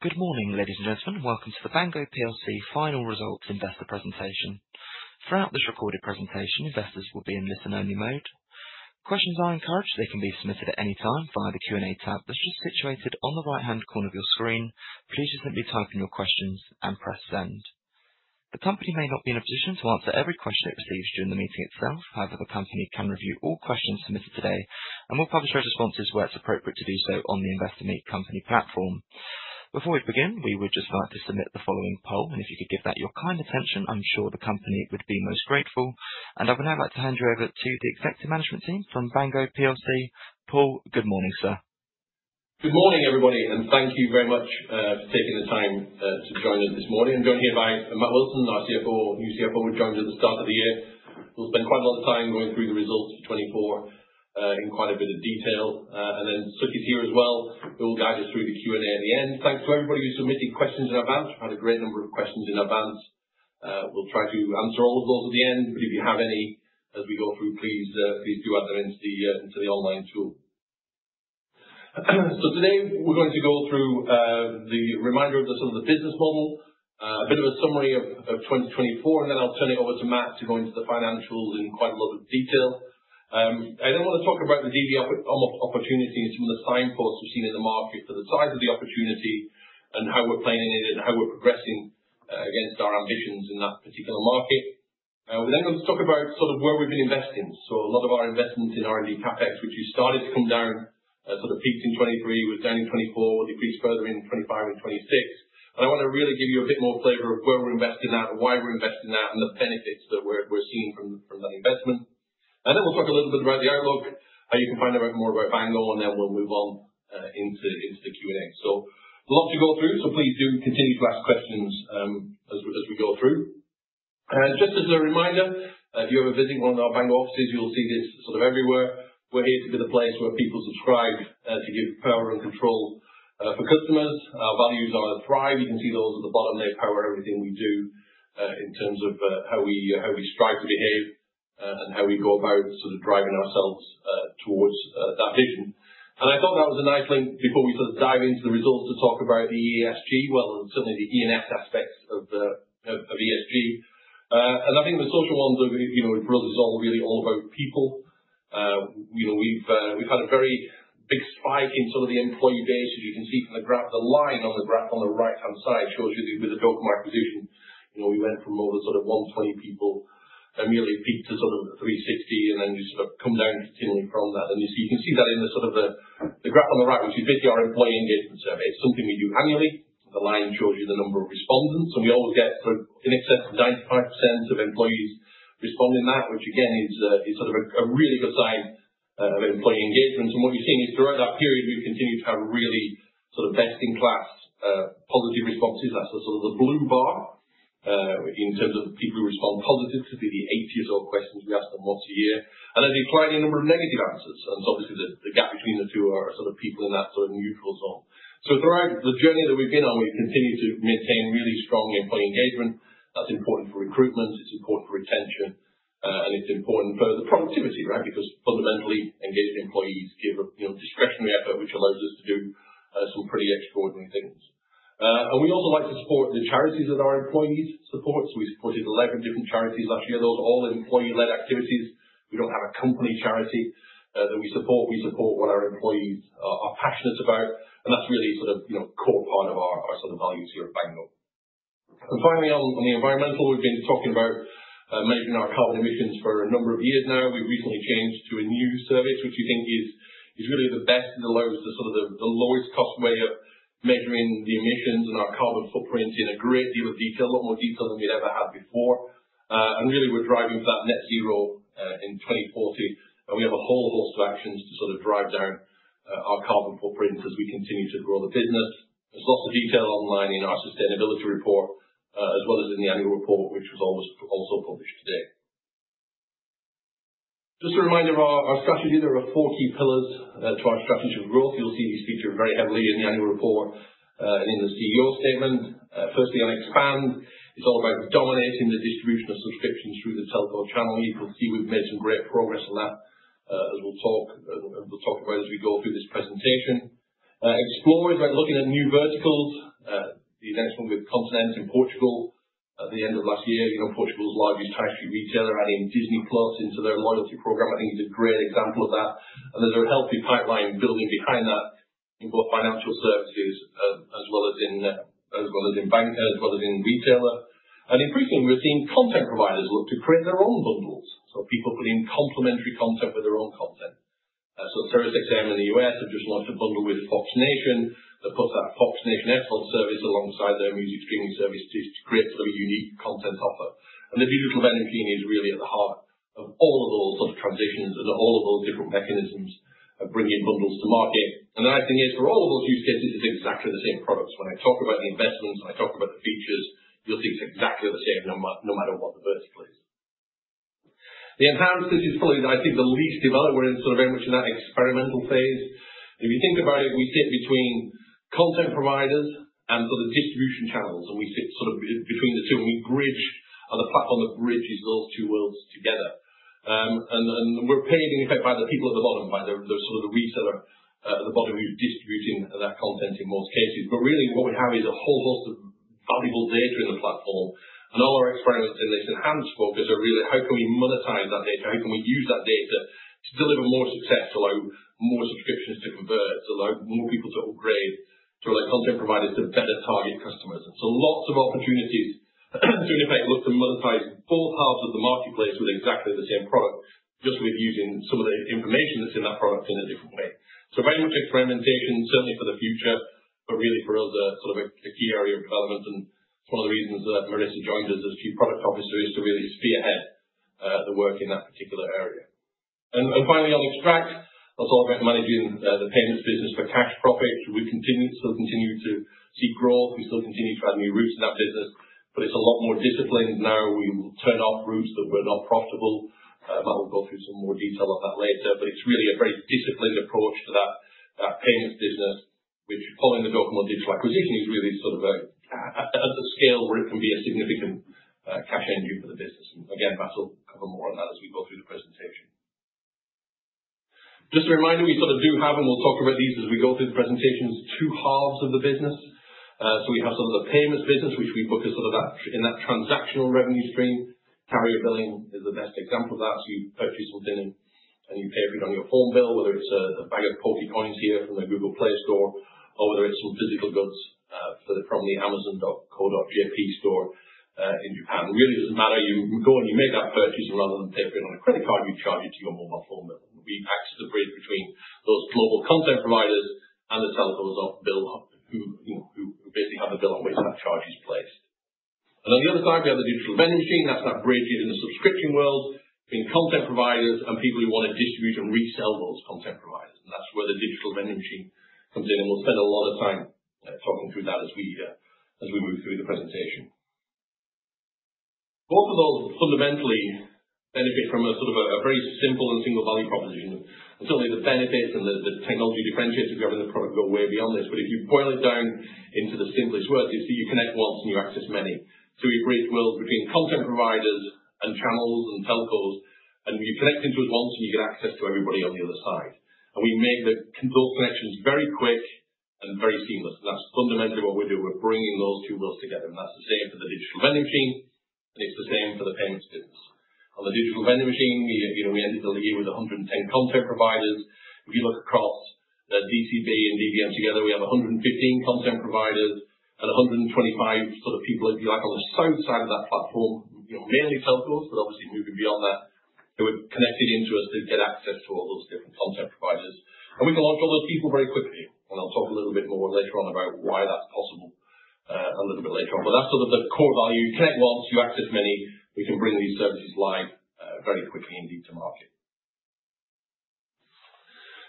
Good morning, ladies and gentlemen. Welcome to the Bango PLC Final Results Investor Presentation. Throughout this recorded presentation, investors will be in listen-only mode. Questions are encouraged. They can be submitted at any time via the Q&A tab that is just situated on the right-hand corner of your screen. Please just simply type in your questions and press send. The company may not be in a position to answer every question it receives during the meeting itself. However, the company can review all questions submitted today and will publish responses where it is appropriate to do so on the Investor Meet Company platform. Before we begin, we would just like to submit the following poll, and if you could give that your kind attention, I am sure the company would be most grateful. I would now like to hand you over to the executive management team from Bango PLC. Paul, good morning, sir. Good morning, everybody. Thank you very much for taking the time to join us this morning. I am joined here by Matt Wilson, our new CFO, who joined us at the start of the year. We will spend quite a lot of time going through the results of 2024 in quite a bit of detail. Sukie is here as well, who will guide us through the Q&A at the end. Thanks to everybody who submitted questions in advance. We have had a great number of questions in advance. We will try to answer all of those at the end. If you have any as we go through, please do add them into the online tool. Today we are going to go through the reminder of the business model, a bit of a summary of 2024. I will turn it over to Matt to go into the financials in quite a lot of detail. I want to talk about the DVM opportunity and some of the signposts we have seen in the market for the size of the opportunity and how we are playing in it and how we are progressing against our ambitions in that particular market. We are going to talk about where we have been investing. A lot of our investment in R&D CapEx, which you started to come down, sort of peaked in 2023, was down in 2024, will decrease further in 2025 and 2026. I want to really give you a bit more flavor of where we're investing that and why we're investing that, and the benefits that we're seeing from that investment. Then we'll talk a little bit about the outlook, how you can find out more about Bango, then we'll move on into the Q&A. A lot to go through, so please do continue to ask questions as we go through. Just as a reminder, if you're ever visiting one of our Bango offices, you will see this everywhere. We're here to be the place where people subscribe to give power and control for customers. Our values are thrive. You can see those at the bottom there, power everything we do, in terms of how we strive to behave and how we go about driving ourselves towards that vision. I thought that was a nice link before we dive into the results to talk about the ESG, well, certainly the E and S aspects of ESG. I think the social ones are, for us, it's all really all about people. We've had a very big spike in the employee base, as you can see from the graph. The line on the graph on the right-hand side shows you with the DOCOMO Digital acquisition, we went from over 120 people, and really peaked to 360, then just come down continually from that. You can see that in the graph on the right, which is basically our employee engagement survey. It's something we do annually. The line shows you the number of respondents, and we always get in excess of 95% of employees responding to that, which again, is a really good sign of employee engagement. What you're seeing is throughout that period, we've continued to have really best-in-class positive responses. That's the blue bar, in terms of people who respond positively to the 80-odd questions we ask them once a year. Then declining number of negative answers. Obviously, the gap between the two are people in that neutral zone. Throughout the journey that we've been on, we've continued to maintain really strong employee engagement. That's important for recruitment, it's important for retention, and it's important for the productivity, right? Because fundamentally, engaged employees give discretionary effort, which allows us to do some pretty extraordinary things. We also like to support the charities that our employees support. We supported 11 different charities last year. Those are all employee-led activities. We don't have a company charity that we support. We support what our employees are passionate about, and that's really a core part of our values here at Bango. Finally, on the environmental, we've been talking about measuring our carbon emissions for a number of years now. We recently changed to a new service, which we think is really the best. It allows the lowest cost way of measuring the emissions and our carbon footprint in a great deal of detail, a lot more detail than we'd ever had before. We're driving to that net zero in 2040, and we have a whole host of actions to drive down our carbon footprint as we continue to grow the business. There's lots of detail online in our sustainability report, as well as in the annual report, which was also published today. Just a reminder of our strategy. There are four key pillars to our strategy of growth. You'll see these featured very heavily in the annual report and in the CEO statement. Firstly, on expand, it's all about dominating the distribution of subscriptions through the telephone channel. You can see we've made some great progress on that, as we'll talk about as we go through this presentation. Explore is about looking at new verticals. The next one with Continente in Portugal at the end of last year. Portugal is a large high street retailer, adding Disney+ into their loyalty program. I think it's a great example of that. There's a healthy pipeline building behind that in both financial services as well as in banking, as well as in retailer. Increasingly, we're seeing content providers look to create their own bundles. People putting complementary content with their own content. SiriusXM in the U.S. have just launched a bundle with Fox Nation. They put that Fox Nation excellent service alongside their music streaming service to create a unique content offer. The Digital Vending Machine is really at the heart of all of those transitions and all of those different mechanisms of bringing bundles to market. The nice thing is, for all of those use cases, it's exactly the same products. When I talk about the investments, when I talk about the features, you'll see it's exactly the same no matter what the vertical is. The enhance, this is probably, I think, the least developed. We're in very much in that experimental phase. If you think about it, we sit between content providers and distribution channels, and we sit between the two, and we bridge the platform that bridges those two worlds together. We're paid in effect by the people at the bottom, by the reseller at the bottom who's distributing that content in most cases. Really what we have is a whole host of valuable data in the platform, and all our experiments in this enhanced focus are really how can we monetize that data? How can we use that data to deliver more success, to allow more subscriptions to convert, to allow more people to upgrade, to allow content providers to better target customers? Lots of opportunities to, in effect, look to monetize both halves of the marketplace with exactly the same product just with using some of the information that's in that product in a different way. Very much experimentation certainly for the future, but really for us, a key area of development and one of the reasons that Marisa joined us as Chief Product Officer is to really spearhead the work in that particular area. Finally, on extract, I'll talk about managing the payments business for cash profit. We still continue to see growth. We still continue to add new routes in that business, but it's a lot more disciplined now. We will turn off routes that were not profitable. We'll go through some more detail of that later, but it's really a very disciplined approach to that payments business, which, pulling the dot on digital acquisition, is really at a scale where it can be a significant cash engine for the business. Again, Matt will cover more on that as we go through the presentation. Just a reminder, we do have, and we'll talk about these as we go through the presentation, is two halves of the business. We have the payments business, which we book in that transactional revenue stream. Carrier billing is the best example of that. You purchase something, and you pay for it on your phone bill, whether it's a bag of PokéCoins here from the Google Play Store or whether it's some physical goods from the Amazon.co.jp store in Japan. Really doesn't matter. You go and you make that purchase, rather than pay for it on a credit card, we charge it to your mobile phone bill. We act as a bridge between those global content providers and the telecoms who basically have a bill on which that charge is placed. On the other side, we have the Digital Vending Machine. That's that bridge in the subscription world between content providers and people who want to distribute and resell those content providers. That's where the Digital Vending Machine comes in, and we'll spend a lot of time talking through that as we move through the presentation. Both of those fundamentally benefit from a very simple and single value proposition. Certainly, the benefits and the technology differentiators we have in the product go way beyond this, if you boil it down into the simplest words, it's that you connect once and you access many. We bridge worlds between content providers and channels and telcos, and you connect into us once, and you get access to everybody on the other side. We make those connections very quick and very seamless, and that's fundamentally what we do. We're bringing those two worlds together, and that's the same for the Digital Vending Machine, and it's the same for the payments business. On the Digital Vending Machine, we ended the year with 110 content providers. If you look across the DCB and DVM together, we have 115 content providers and 125 people, if you like, on the sell side of that platform, mainly telcos, but obviously moving beyond that, who are connected into us to get access to all those different content providers. We can launch all those people very quickly, and I'll talk a little bit more later on about why that's possible a little bit later on. That's the core value. Connect once, you access many. We can bring these services live very quickly indeed to market.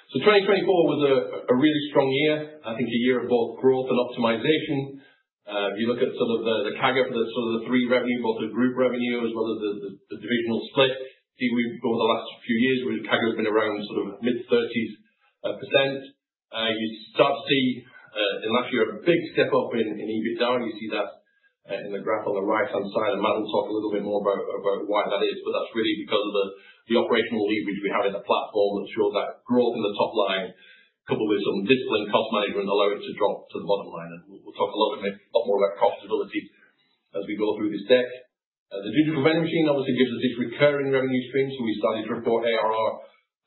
2024 was a really strong year. I think a year of both growth and optimization. If you look at the CAGR for the three revenue, both the group revenue as well as the divisional split, see we've, over the last few years, really CAGR has been around mid-30s%. You start to see in last year a big step-up in EBITDA, you see that in the graph on the right-hand side. Matt will talk a little bit more about why that is, but that's really because of the operational leverage we have in the platform that drove that growth in the top line, coupled with some disciplined cost management allow it to drop to the bottom line. We'll talk a lot more about profitability as we go through this deck. The Digital Vending Machine obviously gives us this recurring revenue stream. We started to report ARR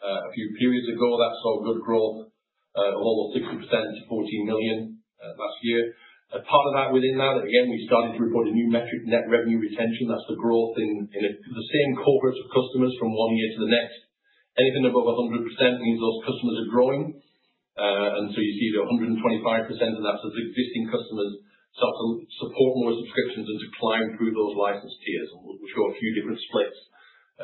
a few periods ago. That saw good growth of almost 60% to 14 million last year. A part of that within that, again, we started to report a new metric, net revenue retention. That's the growth in the same corporates of customers from one year to the next. Anything above 100% means those customers are growing. You see the 125% of that is existing customers start to support more subscriptions and to climb through those license tiers. We'll show a few different splits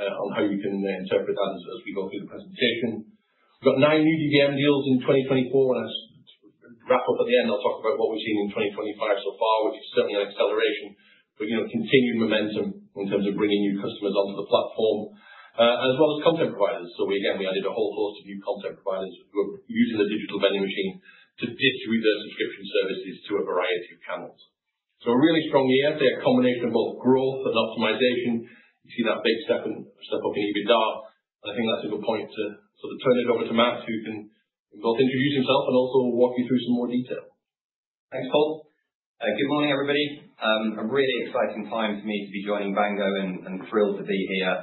on how you can interpret that as we go through the presentation. We've got nine new DVM deals in 2024. As we wrap up at the end, I'll talk about what we've seen in 2025 so far, which is certainly an acceleration, but continuing momentum in terms of bringing new customers onto the platform, as well as content providers. Again, we added a whole host of new content providers who are using the Digital Vending Machine to distribute their subscription services to a variety of channels. A really strong year. I'd say a combination of both growth and optimization. You see that big step-up in EBITDA, I think that's a good point to turn it over to Matt, who can both introduce himself and also walk you through some more detail. Thanks, Paul. Good morning, everybody. A really exciting time for me to be joining Bango, thrilled to be here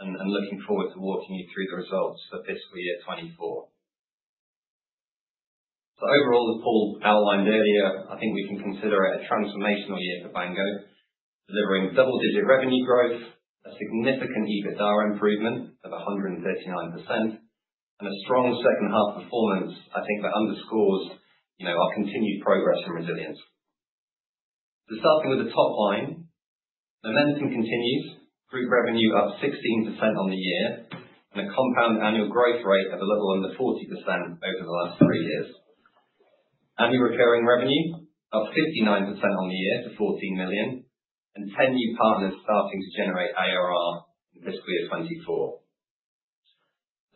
and looking forward to walking you through the results for fiscal year 2024. Overall, as Paul outlined earlier, I think we can consider it a transformational year for Bango, delivering double-digit revenue growth, a significant EBITDA improvement of 139%, and a strong second half performance, I think, that underscores our continued progress and resilience. Starting with the top line. Momentum continues. Group revenue up 16% on the year, and a compound annual growth rate of a little under 40% over the last three years. Annual recurring revenue up 59% on the year to 14 million, and 10 new partners starting to generate ARR in fiscal year 2024.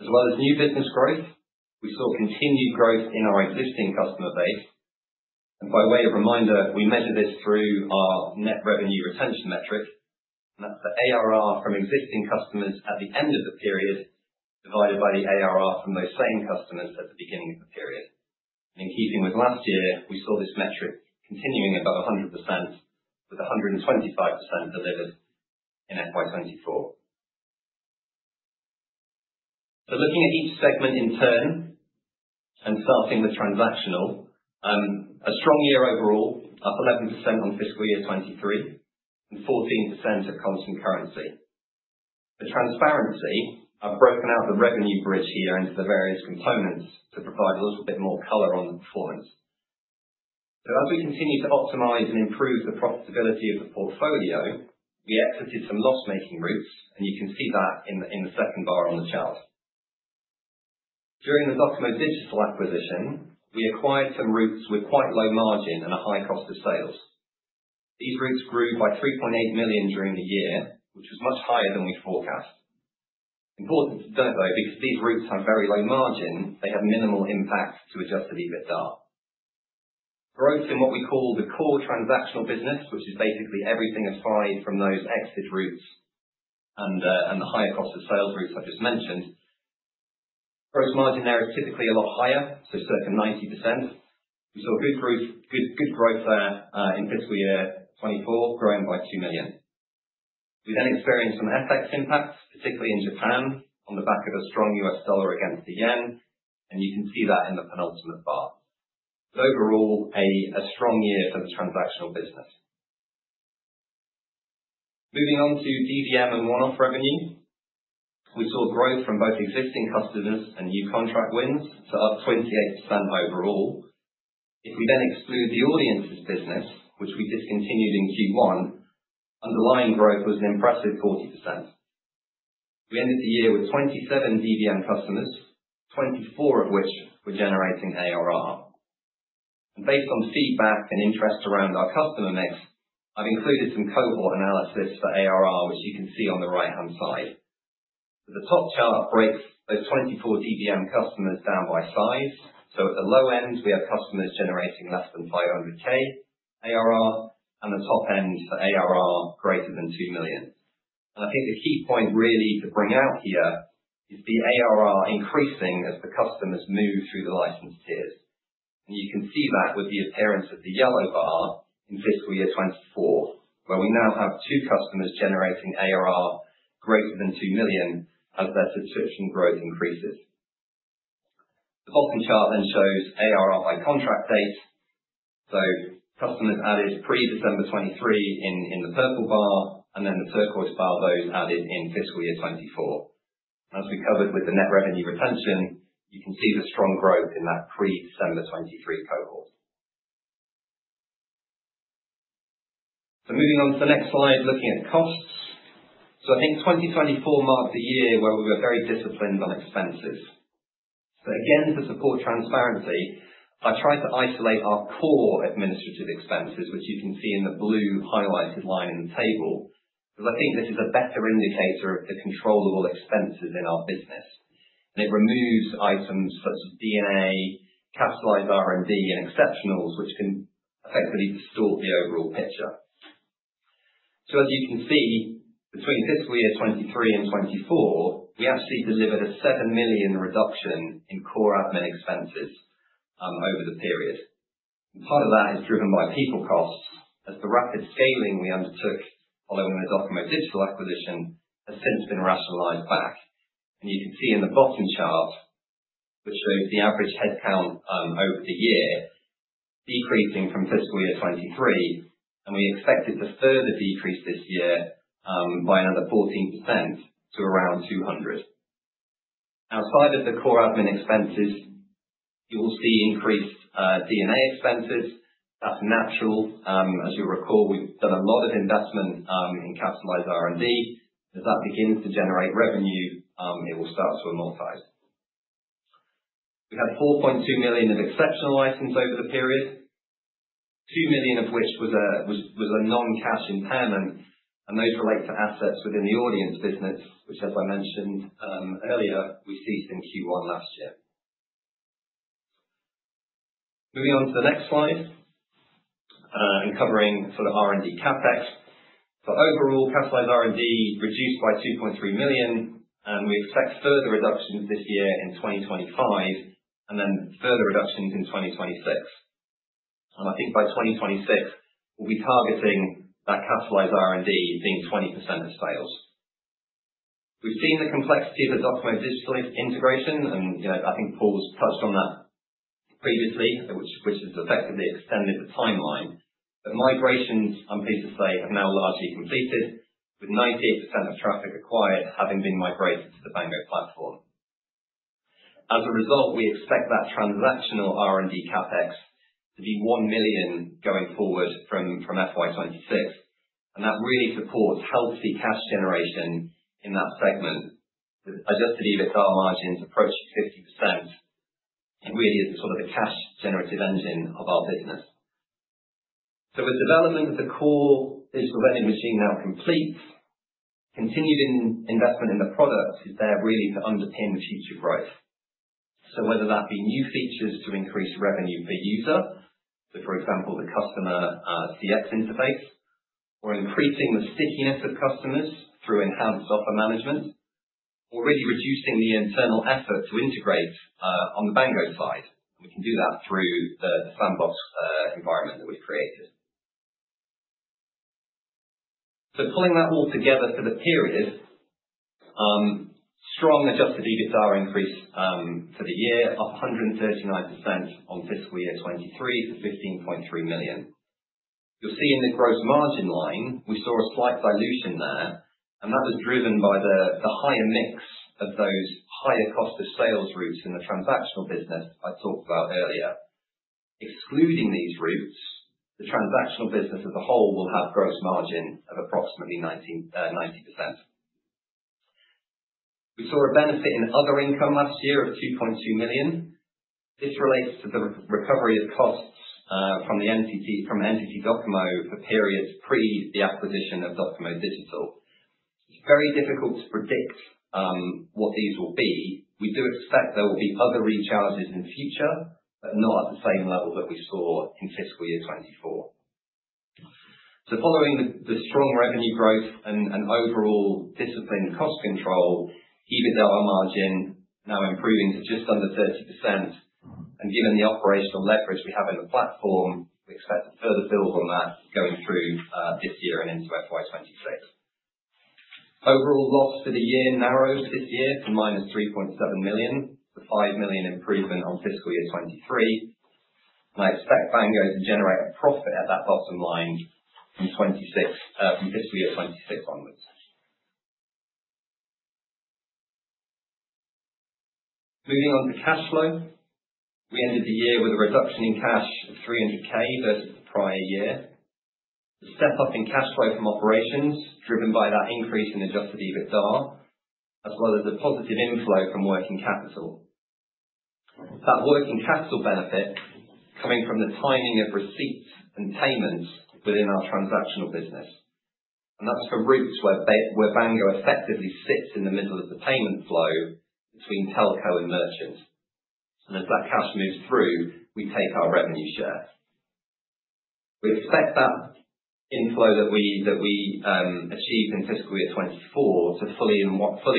As well as new business growth, we saw continued growth in our existing customer base. By way of reminder, we measure this through our net revenue retention metric. That's the ARR from existing customers at the end of the period, divided by the ARR from those same customers at the beginning of the period. In keeping with last year, we saw this metric continuing above 100%, with 125% delivered in FY 2024. Looking at each segment in turn, starting with transactional, a strong year overall, up 11% on fiscal year 2023, and 14% at constant currency. The transparency, I've broken out the revenue bridge here into the various components to provide a little bit more color on the performance. As we continue to optimize and improve the profitability of the portfolio, we exited some loss-making routes, and you can see that in the second bar on the chart. During the DOCOMO Digital acquisition, we acquired some routes with quite low margin and a high cost of sales. These routes grew by 3.8 million during the year, which was much higher than we forecast. Important to note, though, because these routes have very low margin, they have minimal impact to adjusted EBITDA. Growth in what we call the core transactional business, which is basically everything aside from those exited routes and the higher cost of sales routes I just mentioned. Gross margin there is typically a lot higher, circa 90%. We saw good growth there, in fiscal year 2024, growing by 2 million. We experienced some FX impacts, particularly in Japan, on the back of a strong US dollar against the yen, and you can see that in the penultimate bar. Overall, a strong year for the transactional business. Moving on to DVM and one-off revenue. We saw growth from both existing customers and new contract wins, up 28% overall. If we exclude the audiences business, which we discontinued in Q1, underlying growth was an impressive 40%. We ended the year with 27 DVM customers, 24 of which were generating ARR. Based on feedback and interest around our customer mix, I've included some cohort analysis for ARR, which you can see on the right-hand side. The top chart breaks those 24 DVM customers down by size. At the low end, we have customers generating less than 500K ARR, and the top end for ARR greater than 2 million. I think the key point really to bring out here is the ARR increasing as the customers move through the license tiers. You can see that with the appearance of the yellow bar in fiscal year 2024, where we now have two customers generating ARR greater than 2 million as their subscription growth increases. The bottom chart shows ARR by contract date, customers added pre-December 2023 in the purple bar, and the turquoise bar, those added in fiscal year 2024. As we covered with the net revenue retention, you can see the strong growth in that pre-December 2023 cohort. Moving on to the next slide, looking at costs. I think 2024 marked the year where we were very disciplined on expenses. Again, to support transparency, I tried to isolate our core administrative expenses, which you can see in the blue highlighted line in the table, because I think this is a better indicator of the controllable expenses in our business. It removes items such as D&A, capitalized R&D, and exceptionals, which can effectively distort the overall picture. As you can see, between fiscal year 2023 and 2024, we actually delivered a 7 million reduction in core admin expenses over the period. Part of that is driven by people costs as the rapid scaling we undertook following the DOCOMO Digital acquisition has since been rationalized back. You can see in the bottom chart, which shows the average headcount over the year, decreasing from fiscal year 2023, and we expect it to further decrease this year, by another 14% to around 200. Outside of the core admin expenses, you will see increased D&A expenses. That is natural. As you will recall, we have done a lot of investment, in capitalized R&D. As that begins to generate revenue, it will start to amortize. We had 4.2 million of exceptional items over the period, 2 million of which was a non-cash impairment, and those relate to assets within the audience business, which as I mentioned earlier, we ceased in Q1 last year. Moving on to the next slide, and covering sort of R&D CapEx. Overall, capitalized R&D reduced by 2.3 million, and we expect further reductions this year in 2025, and then further reductions in 2026. I think by 2026, we will be targeting that capitalized R&D being 20% of sales. We have seen the complexity of the DOCOMO Digital integration and I think Paul has touched on that previously, which has effectively extended the timeline. Migrations, I am pleased to say, have now largely completed, with 98% of traffic acquired having been migrated to the Bango platform. We expect that transactional R&D CapEx to be 1 million going forward from FY 2026, and that really supports healthy cash generation in that segment with adjusted EBITDA margins approaching 50%. Really is sort of the cash generative engine of our business. With development of the core digital revenue machine now complete, continued investment in the product is there really to underpin the future growth. Whether that be new features to increase revenue per user, for example, the customer CX interface, or increasing the stickiness of customers through enhanced offer management, or really reducing the internal effort to integrate on the Bango side. We can do that through the sandbox environment that we have created. Pulling that all together for the period, strong adjusted EBITDA increase for the year, up 139% on fiscal year 2023 to 15.3 million. You will see in the gross margin line, we saw a slight dilution there, and that was driven by the higher mix of those higher cost of sales routes in the transactional business I talked about earlier. Excluding these routes, the transactional business as a whole will have gross margin of approximately 90%. We saw a benefit in other income last year of 2.2 million. This relates to the recovery of costs from NTT Docomo for periods pre the acquisition of DOCOMO Digital. It is very difficult to predict what these will be. We do expect there will be other rechallenges in the future, but not at the same level that we saw in fiscal year 2024. Following the strong revenue growth and overall disciplined cost control, EBITDA margin now improving to just under 30%. Given the operational leverage we have in the platform, we expect to further build on that going through this year and into FY 2026. Overall loss for the year narrows this year to -3.7 million. It's a 5 million improvement on fiscal year 2023. I expect Bango to generate a profit at that bottom line from fiscal year 2026 onwards. Moving on to cash flow. We ended the year with a reduction in cash of 300K versus the prior year. The step-up in cash flow from operations driven by that increase in adjusted EBITDA, as well as the positive inflow from working capital. That working capital benefit coming from the timing of receipts and payments within our transactional business. That's for routes where Bango effectively sits in the middle of the payment flow between telco and merchant. As that cash moves through, we take our revenue share. We expect that inflow that we achieve in fiscal year 2024 to fully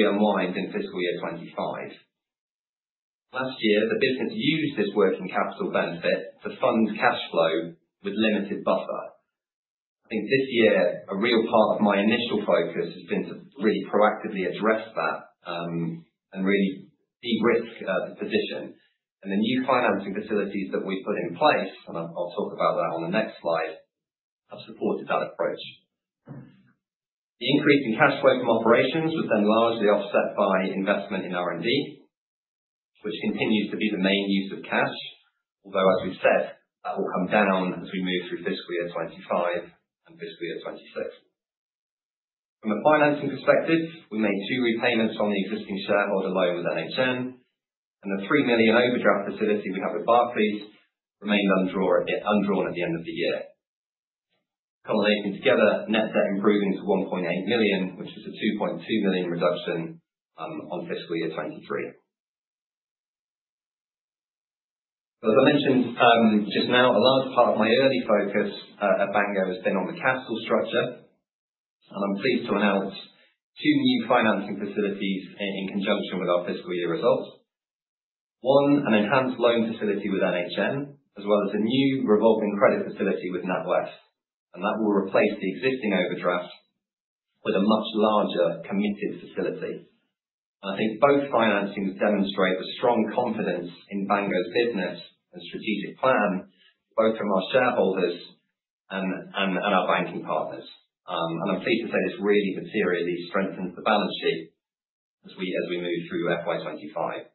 unwind in fiscal year 2025. Last year, the business used this working capital benefit to fund cash flow with limited buffer. I think this year, a real part of my initial focus has been to really proactively address that, and really de-risk the position. The new financing facilities that we've put in place, and I'll talk about that on the next slide, have supported that approach. The increase in cash flow from operations was then largely offset by investment in R&D, which continues to be the main use of cash, although, as we've said, that will come down as we move through fiscal year 2025 and fiscal year 2026. From a financing perspective, we made two repayments on the existing shareholder loan with NHN, the 3 million overdraft facility we have with Barclays remained undrawn at the end of the year. Cumulating together, net debt improving to 1.8 million, which is a 2.2 million reduction on fiscal year 2023. As I mentioned just now, a large part of my early focus at Bango has been on the capital structure. I'm pleased to announce two new financing facilities in conjunction with our fiscal year results. One, an enhanced loan facility with NHN, as well as a new revolving credit facility with NatWest, that will replace the existing overdraft with a much larger committed facility. I think both financings demonstrate the strong confidence in Bango's business and strategic plan, both from our shareholders and our banking partners. I'm pleased to say this really materially strengthens the balance sheet as we move through FY 2025.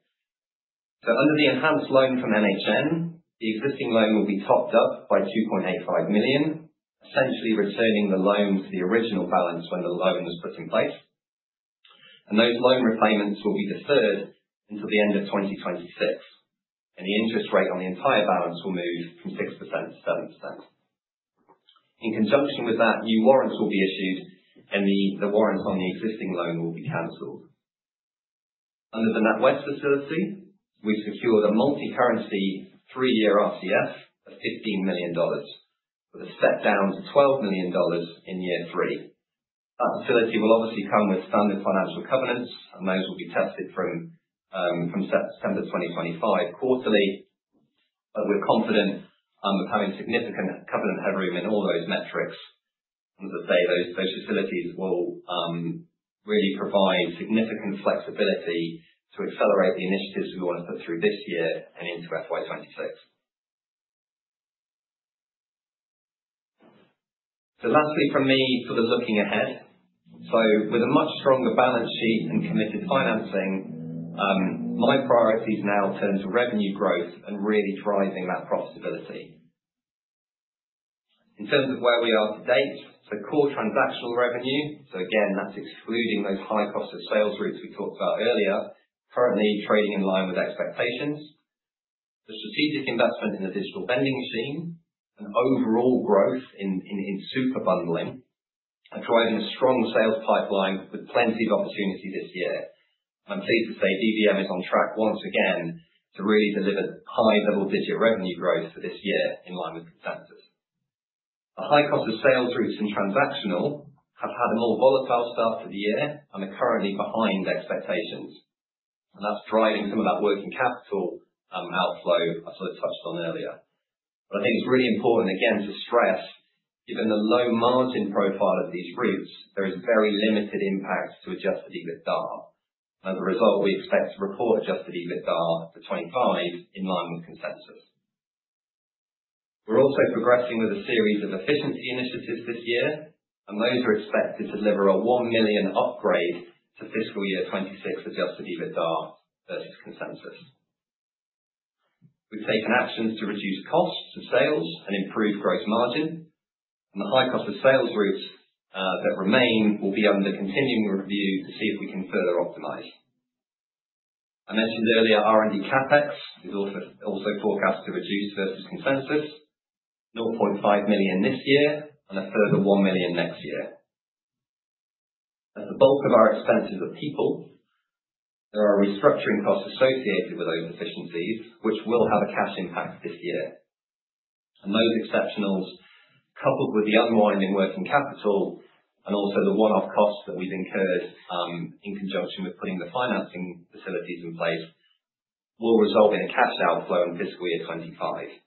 Under the enhanced loan from NHN, the existing loan will be topped up by 2.85 million, essentially returning the loan to the original balance when the loan was put in place. Those loan repayments will be deferred until the end of 2026. The interest rate on the entire balance will move from 6% to 7%. In conjunction with that, new warrants will be issued, the warrants on the existing loan will be canceled. Under the NatWest facility, we've secured a multi-currency, three-year RCF of $15 million with a step down to $12 million in year three. That facility will obviously come with standard financial covenants, those will be tested from September 2025 quarterly. We're confident with having significant covenant headroom in all those metrics. Those facilities will really provide significant flexibility to accelerate the initiatives we want to put through this year and into FY 2026. Lastly from me for the looking ahead. With a much stronger balance sheet and committed financing, my priority is now turning to revenue growth and really driving that profitability. In terms of where we are to date, core transactional revenue, again, that's excluding those high cost of sales routes we talked about earlier, currently trading in line with expectations. The strategic investment in the Digital Vending Machine and overall growth in super bundling are driving a strong sales pipeline with plenty of opportunity this year. I'm pleased to say DVM is on track once again to really deliver high double-digit revenue growth for this year in line with consensus. The high cost of sales routes and transactional have had a more volatile start to the year and are currently behind expectations, and that's driving some of that working capital outflow I sort of touched on earlier. I think it's really important, again, to stress, given the low margin profile of these routes, there is very limited impact to adjusted EBITDA. As a result, we expect to report adjusted EBITDA for 25 in line with consensus. Those are expected to deliver a 1 million upgrade to fiscal year 2026 adjusted EBITDA versus consensus. We've taken actions to reduce costs of sales and improve gross margin. The high cost of sales routes that remain will be under continuing review to see if we can further optimize. I mentioned earlier, R&D CapEx is also forecast to reduce versus consensus, 0.5 million this year and a further 1 million next year. As the bulk of our expenses are people, there are restructuring costs associated with those efficiencies, which will have a cash impact this year. Those exceptionals, coupled with the unwinding working capital and also the one-off costs that we've incurred, in conjunction with putting the financing facilities in place, will result in a cash outflow in fiscal year 2025.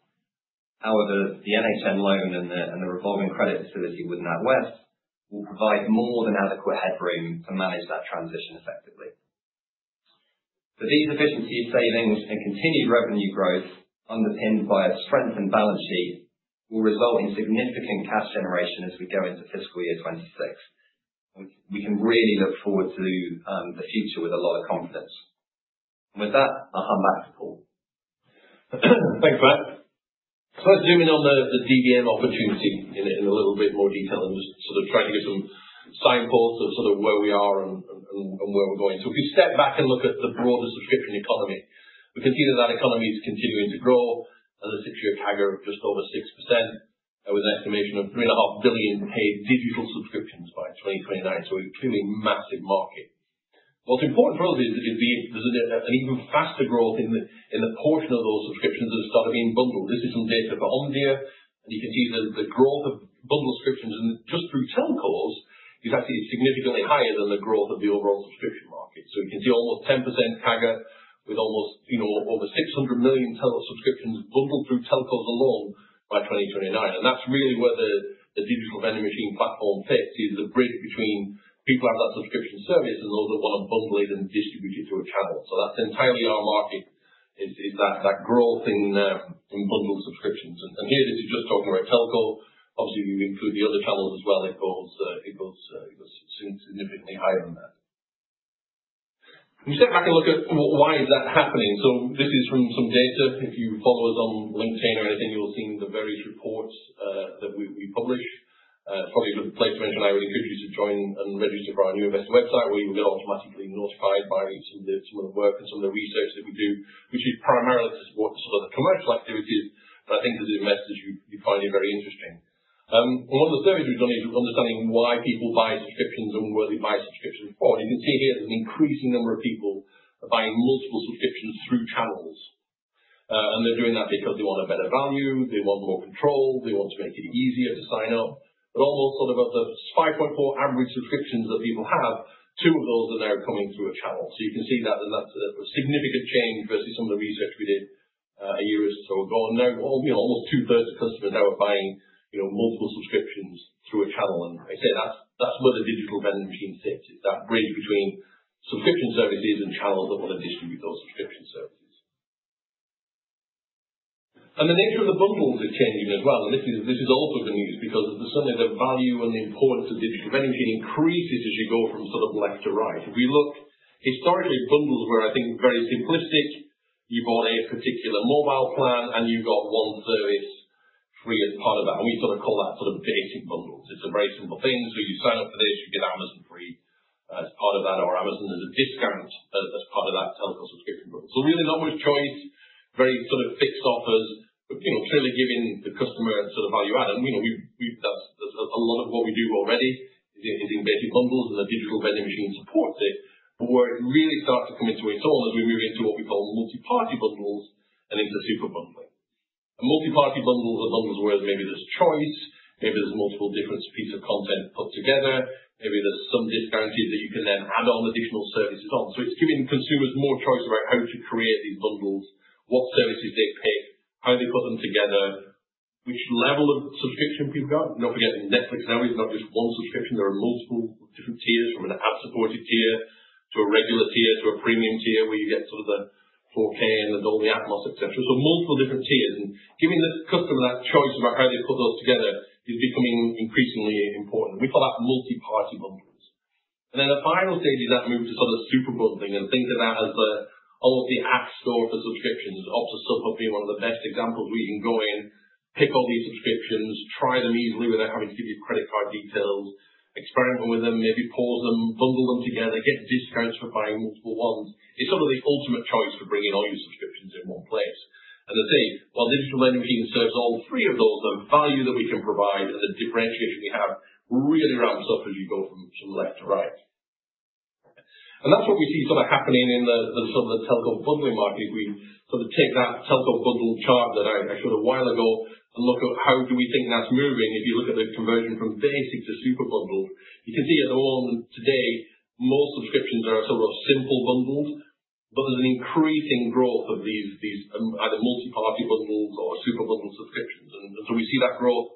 However, the NHN loan and the revolving credit facility with NatWest will provide more than adequate headroom to manage that transition effectively. These efficiency savings and continued revenue growth underpinned by a strengthened balance sheet will result in significant cash generation as we go into fiscal year 2026. We can really look forward to the future with a lot of confidence. With that, I'll hand back to Paul. Thanks, Matt. Let's zoom in on the DVM opportunity in a little bit more detail and just sort of try to give some signposts of sort of where we are and where we're going. If we step back and look at the broader subscription economy, we can see that economy is continuing to grow at a 6-year CAGR of just over 6%, with an estimation of 3.5 billion paid digital subscriptions by 2029. A clearly massive market. What's important for us is there's an even faster growth in the portion of those subscriptions that are being bundled. This is some data from Omdia, and you can see the growth of bundled subscriptions, and just through telcos is actually significantly higher than the growth of the overall subscription market. You can see almost 10% CAGR with almost over 600 million telco subscriptions bundled through telcos alone by 2029. That's really where the Digital Vending Machine platform fits, is the bridge between people who have that subscription service and those that want to bundle it and distribute it through a channel. That's entirely our market, is that growth in bundled subscriptions. Here this is just talking about telco. Obviously, we include the other channels as well. It goes significantly higher than that. If we step back and look at why is that happening. This is from some data. If you follow us on LinkedIn or anything, you will have seen the various reports that we publish. Probably the place to mention I would encourage you to join and register for our new investor website where you'll get automatically notified by some of the work and some of the research that we do, which is primarily to support sort of the commercial activities. I think as investors you'd find it very interesting. One of the surveys we've done is understanding why people buy subscriptions and what they buy subscriptions for. You can see here there's an increasing number of people buying multiple subscriptions through channels. They're doing that because they want a better value, they want more control, they want to make it easier to sign up. Of the 5.4 average subscriptions that people have, two of those are now coming through a channel. You can see that significant change versus some of the research we did a year or so ago. Now, almost two-thirds of customers now are buying multiple subscriptions through a channel. I say that's where the Digital Vending Machine sits. It's that bridge between subscription services and channels that want to distribute those subscription services. The nature of the bundles is changing as well. This is also good news because certainly, the value and the importance of Digital Vending Machine increases as you go from left to right. If we look historically, bundles were, I think, very simplistic. You bought a particular mobile plan, and you got one service free as part of that, and we call that basic bundles. It's a very simple thing. You sign up for this, you get Amazon Free as part of that or Amazon as a discount as part of that telco subscription bundle. Really not much choice, very fixed offers, but clearly giving the customer value add. That's a lot of what we do already in basic bundles and the Digital Vending Machine supports it. Where it really starts to come into its own as we move into what we call multi-party bundles and into super bundling. A multi-party bundle is a bundle where maybe there's choice, maybe there's multiple different pieces of content put together, maybe there's some discount that you can then add on additional services on. It's giving consumers more choice about how to create these bundles, what services they pick, how they put them together, which level of subscription people go. Not forgetting Netflix now is not just one subscription. There are multiple different tiers, from an ad-supported tier to a regular tier, to a premium tier where you get sort of the 4K and the Dolby Atmos, et cetera. Multiple different tiers. Giving the customer that choice about how they put those together is becoming increasingly important. We call that multi-party bundling. The final stage is that move to super bundling and think of that as all of the app store for subscriptions, Optus SubHub being one of the best examples where you can go in, pick all these subscriptions, try them easily without having to give your credit card details, experiment with them, maybe pause them, bundle them together, get discounts for buying multiple ones. It's sort of the ultimate choice for bringing all your subscriptions in one place. As I say, while the Digital Vending Machine serves all three of those, the value that we can provide and the differentiation we have really ramps up as you go from left to right. That's what we see happening in the telco bundling market. We take that telco bundle chart that I showed a while ago and look at how do we think that's moving. If you look at the conversion from basic to super bundles, you can see at the moment today, most subscriptions are simple bundles, but there's an increasing growth of these either multi-party bundles or super bundle subscriptions. We see that growth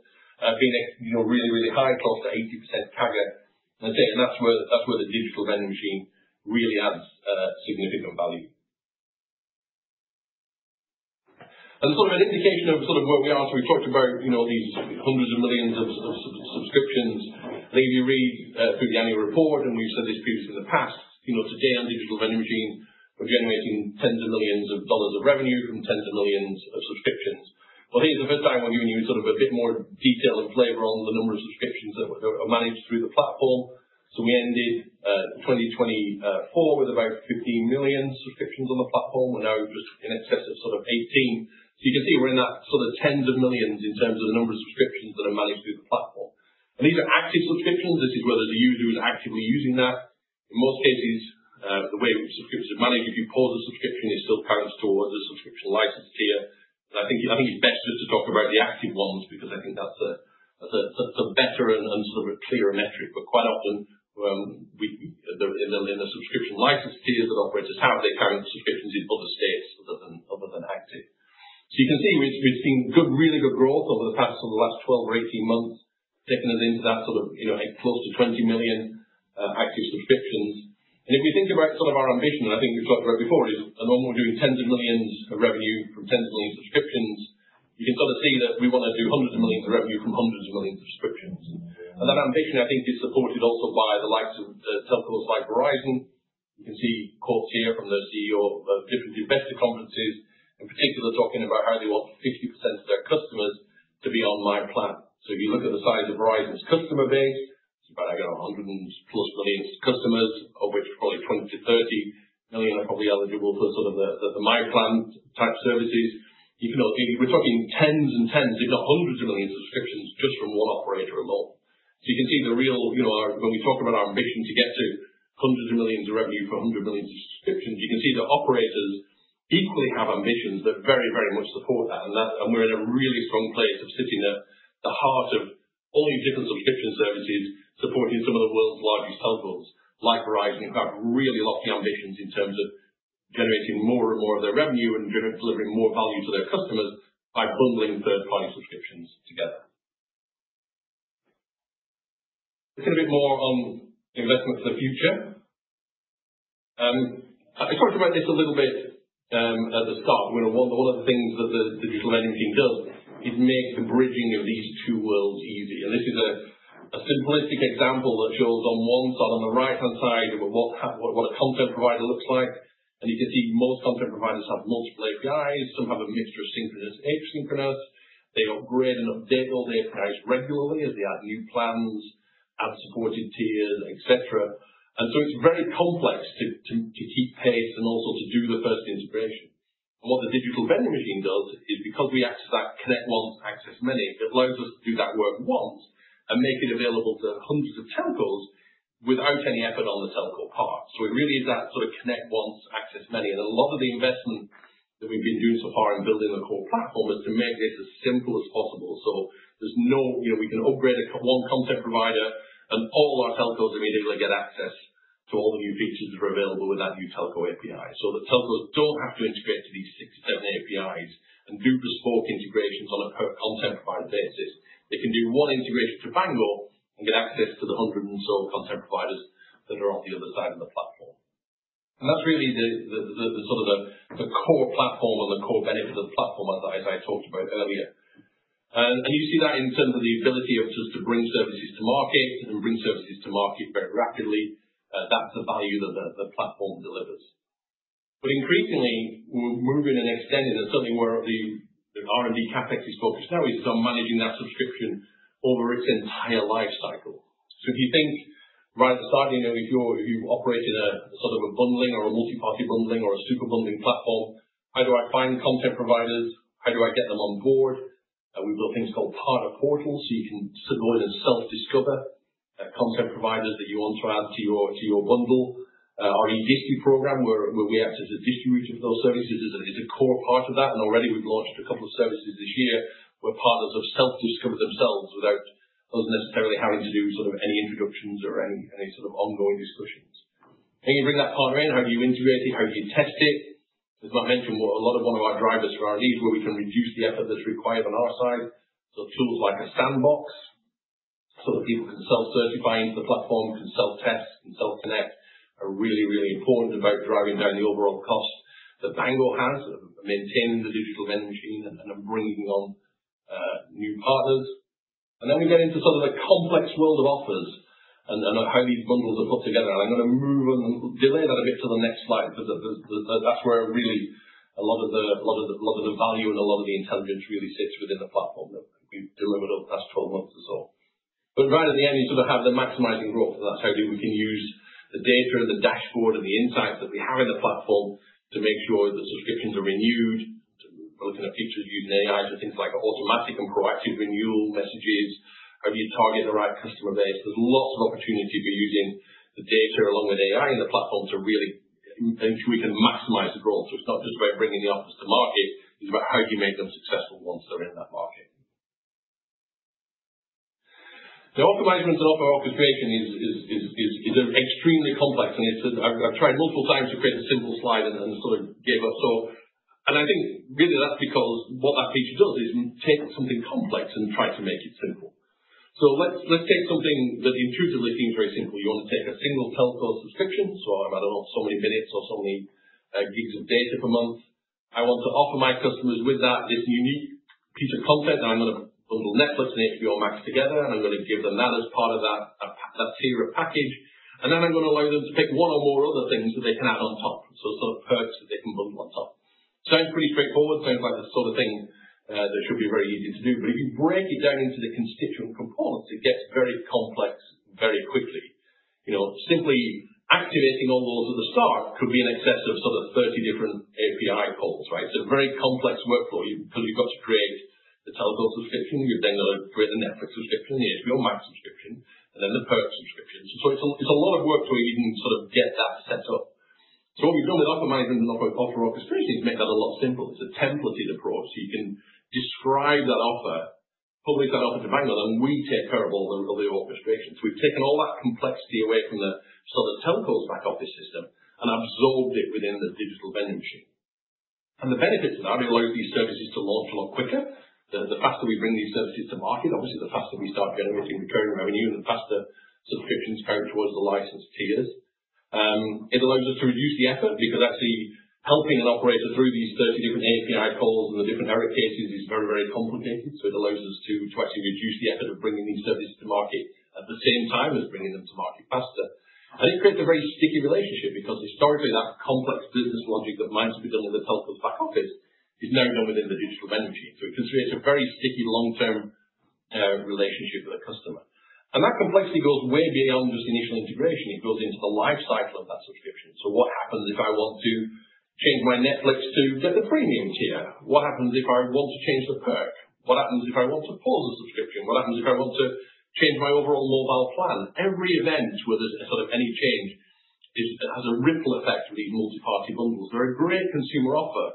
being really high, close to 80% CAGR. I say that's where the Digital Vending Machine really adds significant value. An indication of where we are. We've talked about these hundreds of millions of subscriptions. If you read through the annual report, we've said this previously in the past, today on the Digital Vending Machine, we're generating tens of millions of dollars of revenue from tens of millions of subscriptions. I think it's the first time we're giving you a bit more detail and flavor on the number of subscriptions that are managed through the platform. We ended 2024 with about 15 million subscriptions on the platform. We're now just in excess of 18. You can see we're in that tens of millions in terms of the number of subscriptions that are managed through the platform. These are active subscriptions. This is whether the user is actively using that. In most cases, the way subscriptions are managed, if you pause a subscription, it still counts towards a subscription license tier. I think it's best just to talk about the active ones, because I think that's a better and clearer metric. Quite often, in the subscription license tiers that operators have, they count subscriptions in other states other than active. You can see we've seen really good growth over the past 12 or 18 months, taking us into that close to 20 million active subscriptions. If you think about our ambition, and I think we've talked about it before, is at the moment we're doing tens of millions of revenue from tens of millions of subscriptions. You can sort of see that we want to do hundreds of millions of revenue from hundreds of millions of subscriptions. That ambition, I think, is supported also by the likes of telcos like Verizon. You can see quotes here from their CEO of different investor conferences, in particular, talking about how they want 50% of their customers to be on myPlan. If you look at the size of Verizon's customer base, it's about 100-plus million customers, of which probably 20 to 30 million are probably eligible for the myPlan type services. We're talking tens and tens, if not hundreds of millions of subscriptions just from one operator alone. You can see when we talk about our ambition to get to hundreds of millions of revenue from hundreds of millions of subscriptions, you can see that operators equally have ambitions that very much support that, and we're in a really strong place of sitting at the heart of all these different subscription services, supporting some of the world's largest telcos, like Verizon, who have really lofty ambitions in terms of generating more and more of their revenue and delivering more value to their customers by bundling third-party subscriptions together. A bit more on investment for the future. I talked about this a little bit at the start. One of the things that the Digital Vending Machine does is make the bridging of these two worlds easy. This is a simplistic example that shows on one side, on the right-hand side, what a content provider looks like. You can see most content providers have multiple APIs. Some have a mixture of synchronous and asynchronous. They upgrade and update all the APIs regularly as they add new plans, add supported tiers, et cetera. It's very complex to keep pace and also to do the first integration. What the Digital Vending Machine does is because we access that connect once, access many, it allows us to do that work once and make it available to hundreds of telcos without any effort on the telco part. It really is that connect once, access many. A lot of the investment that we've been doing so far in building the core platform is to make this as simple as possible. We can upgrade one content provider, and all our telcos immediately get access to all the new features that are available with that new telco API. The telcos don't have to integrate to these six, seven APIs and do bespoke integrations on a per content provider basis. They can do one integration to Bango and get access to the 100 and so content providers that are on the other side of the platform. That's really the core platform or the core benefit of the platform, as I talked about earlier. You see that in terms of the ability of just to bring services to market and bring services to market very rapidly. That's the value that the platform delivers. Increasingly, we're moving and extending, and certainly where the R&D CapEx is focused now is on managing that subscription over its entire life cycle. If you think right at the start, if you operate in a bundling or a multi-party bundling or a super bundling platform, how do I find the content providers? How do I get them on board? We build things called partner portals, you can go in and self-discover content providers that you want to add to your bundle. Our eDisti program, where we act as a distributor for those services, is a core part of that, and already we've launched a couple of services this year where partners have self-discovered themselves without us necessarily having to do any introductions or any sort of ongoing discussions. You bring that partner in, how do you integrate it? How do you test it? As Matt mentioned, one of our drivers for R&D is where we can reduce the effort that's required on our side. Tools like a sandbox, that people can self-certify into the platform, can self-test, can self-connect, are really important about driving down the overall cost that Bango has of maintaining the Digital Vending Machine and of bringing on new partners. Then we get into the complex world of offers and how these bundles are put together. I'm going to delay that a bit to the next slide because that's where, really, a lot of the value and a lot of the intelligence really sits within the platform that we've delivered over the past 12 months or so. But right at the end, you have the maximizing growth. That's how we can use the data, the dashboard, and the insights that we have in the platform to make sure that subscriptions are renewed, to look in the future using AI for things like automatic and proactive renewal messages. Have you targeted the right customer base? There's lots of opportunity to be using the data along with AI in the platform to ensure we can maximize the growth. It's not just about bringing the offers to market, it's about how do you make them successful once they're in that market. The offer management and offer orchestration is extremely complex, and I've tried multiple times to create a simple slide and gave up. I think really that's because what that feature does is take something complex and try to make it simple. Let's take something that intuitively seems very simple. You want to take a single telco subscription, I don't know, so many minutes or so many gigs of data per month. I want to offer my customers with that, this unique piece of content, I'm going to bundle Netflix and HBO Max together, I'm going to give them that as part of that tier or package. Then I'm going to allow them to pick one or more other things that they can add on top. Sort of perks that they can bundle on top. Sounds pretty straightforward, sounds like the sort of thing that should be very easy to do. If you break it down into the constituent components, it gets very complex very quickly. Simply activating all those at the start could be in excess of sort of 30 different API calls, right? A very complex workflow because you've got to create the telco subscription, you've then got to create the Netflix subscription, the HBO Max subscription, and then the perk subscription. It's a lot of work for you even sort of get that set up. What we've done with offer management and offer orchestration is make that a lot simpler. It's a templated approach, you can describe that offer, publish that offer to Bango, then we take care of all the underlying orchestration. We've taken all that complexity away from the telco's back office system and absorbed it within the Digital Vending Machine. The benefits of that, it allows these services to launch a lot quicker. The faster we bring these services to market, obviously, the faster we start generating recurring revenue, and the faster subscriptions count towards the license tiers. It allows us to reduce the effort, because actually helping an operator through these 30 different API calls and the different error cases is very complicated. It allows us to actually reduce the effort of bringing these services to market, at the same time as bringing them to market faster. It creates a very sticky relationship, because historically, that complex business logic that might have been done in the telco's back office is now done within the Digital Vending Machine. It creates a very sticky long-term relationship with the customer. That complexity goes way beyond just the initial integration. It goes into the life cycle of that subscription. What happens if I want to change my Netflix to the premium tier? What happens if I want to change the perk? What happens if I want to pause a subscription? What happens if I want to change my overall mobile plan? Every event where there's sort of any change has a ripple effect with these multi-party bundles. They're a great consumer offer,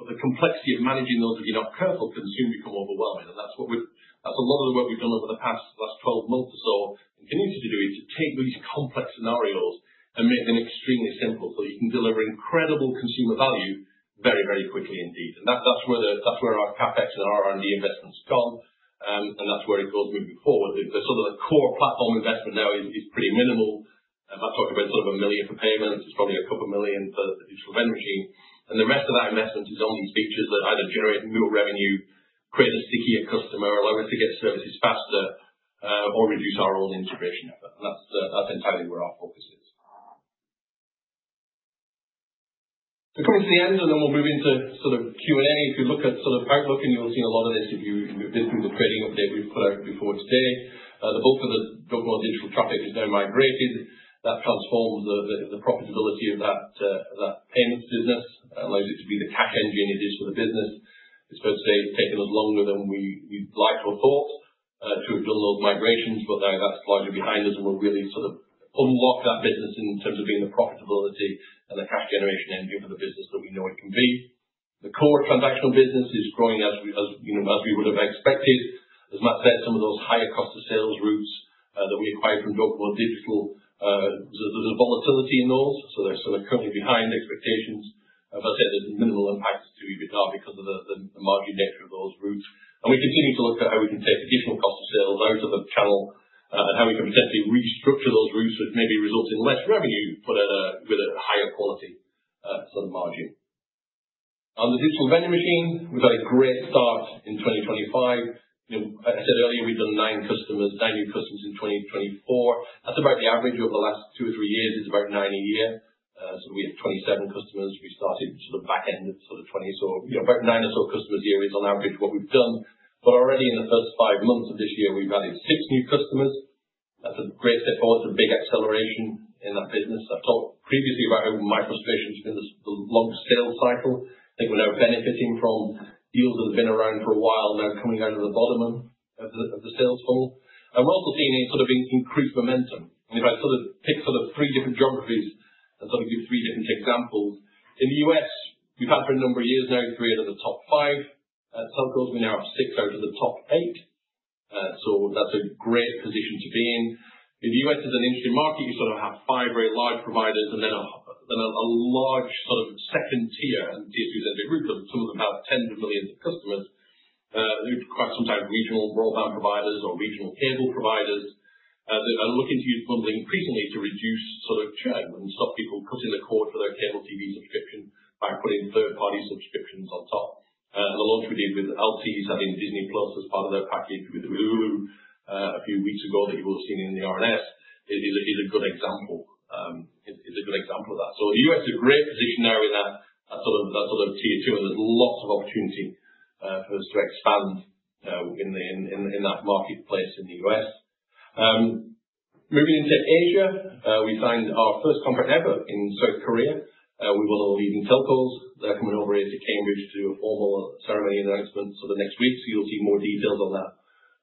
but the complexity of managing those, if you're not careful, can soon become overwhelming. That's a lot of the work we've done over the past 12 months or so, continued to do, is to take these complex scenarios and make them extremely simple, so you can deliver incredible consumer value very quickly indeed. That's where our CapEx and our R&D investments have gone, and that's where it goes moving forward. The sort of core platform investment now is pretty minimal. I'm talking about sort of 1 million for payments. It's probably a couple million for the Digital Vending Machine. The rest of that investment is on these features that either generate new revenue, create a stickier customer, allow us to get services faster, or reduce our own integration effort. That's entirely where our focus is. We're coming to the end, and then we'll move into Q&A. If you look at sort of outlook, you will have seen a lot of this if you've been through the trading update we put out before today. The bulk of the DOCOMO Digital traffic is now migrated. That transforms the profitability of that payments business, allows it to be the cash engine it is for the business. As I say, it's taken us longer than we'd like or thought to have done those migrations. Now that's largely behind us, and we'll really sort of unlock that business in terms of being the profitability and the cash generation engine for the business that we know it can be. The core transactional business is growing as we would have expected. As Matt said, some of those higher cost of sales routes that we acquired from DOCOMO Digital, there's a volatility in those, so they're sort of currently behind expectations. As I said, there's minimal impact to EBITDA because of the margin nature of those routes. We continue to look at how we can take additional cost of sales out of the channel, and how we can potentially restructure those routes, which may result in less revenue, but at a higher quality sort of margin. On the Digital Vending Machine, we've had a great start in 2025. As I said earlier, we've done nine new customers in 2024. That's about the average over the last two or three years, is about nine a year. We had 27 customers. We started sort of back end of 2020. So about nine or so customers a year is on average what we've done. Already in the first five months of this year, we've added six new customers. That's a great step forward, a big acceleration in that business. I've talked previously about my frustration has been the long sales cycle. I think we're now benefiting from deals that have been around for a while, now coming down to the bottom of the sales funnel. We're also seeing a sort of increased momentum. If I sort of pick three different geographies and sort of give three different examples. In the U.S., we've had for a number of years now three out of the top five telcos. We're now at six out of the top eight. That's a great position to be in. The U.S. is an interesting market. You sort of have five very large providers and then a large sort of second tier 2, tier 3 group of sort of about tens of millions of customers, who require sometimes regional broadband providers or regional cable providers, that are looking to use bundling increasingly to reduce sort of churn and stop people cutting the cord for their cable TV subscription By putting third-party subscriptions on top. The launch we did with Altice, having Disney+ as part of their package with Hulu a few weeks ago that you will have seen in the RNS is a good example of that. The U.S. is a great position now in that sort of tier 2, there's lots of opportunity for us to expand in that marketplace in the U.S. Moving into Asia, we signed our first contract ever in South Korea. We will lead in telcos. They're coming over here to Cambridge to do a formal ceremony announcement over the next week, so you'll see more details on that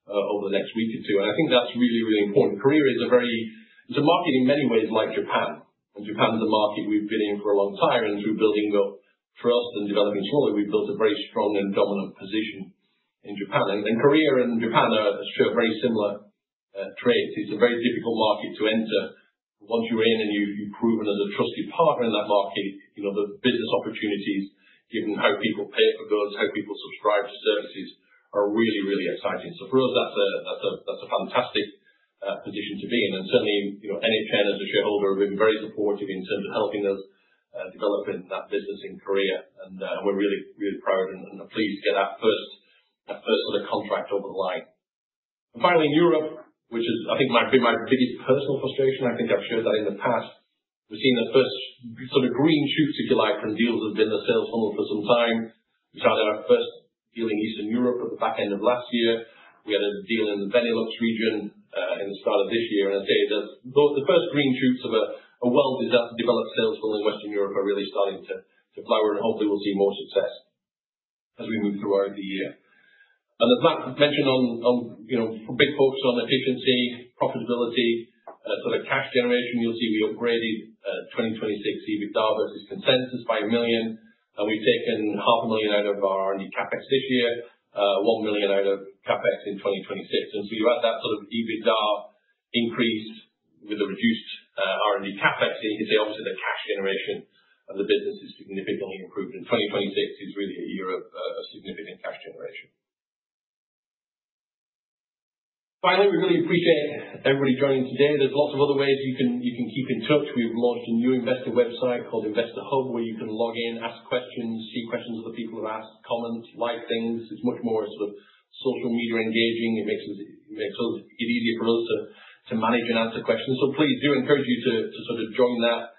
over the next week or two. I think that's really, really important. Korea is a market in many ways like Japan is a market we've been in for a long time and through building up trials and developing slowly, we've built a very strong and dominant position in Japan. Korea and Japan share very similar traits. It's a very difficult market to enter. Once you are in and you've proven as a trusted partner in that market, the business opportunities, given how people pay for goods, how people subscribe to services are really, really exciting. For us, that's a fantastic position to be in, and certainly, NHN as a shareholder, have been very supportive in terms of helping us developing that business in Korea, and we're really, really proud and pleased to get that first sort of contract over the line. Finally, in Europe, which is I think my biggest personal frustration, I think I've shared that in the past. We've seen the first sort of green shoots, if you like, and deals have been in the sales funnel for some time. We signed our first deal in Eastern Europe at the back end of last year. We had a deal in the Benelux region in the start of this year. I'd say that the first green shoots of a well-developed sales funnel in Western Europe are really starting to flower, hopefully we'll see more success as we move throughout the year. As Matt mentioned on big focus on efficiency, profitability, sort of cash generation, you'll see we upgraded 2026 EBITDA versus consensus by 1 million, we've taken half a million out of our R&D CapEx this year, 1 million out of CapEx in 2026. You add that sort of EBITDA increase with the reduced R&D CapEx, you can see obviously the cash generation of the business is significantly improved, 2026 is really a year of significant cash generation. Finally, we really appreciate everybody joining today. There's lots of other ways you can keep in touch. We've launched a new investor website called InvestorHub, where you can log in, ask questions, see questions other people have asked, comment, like things. It's much more sort of social media engaging. It makes it easier for us to manage and answer questions. Please, do encourage you to join that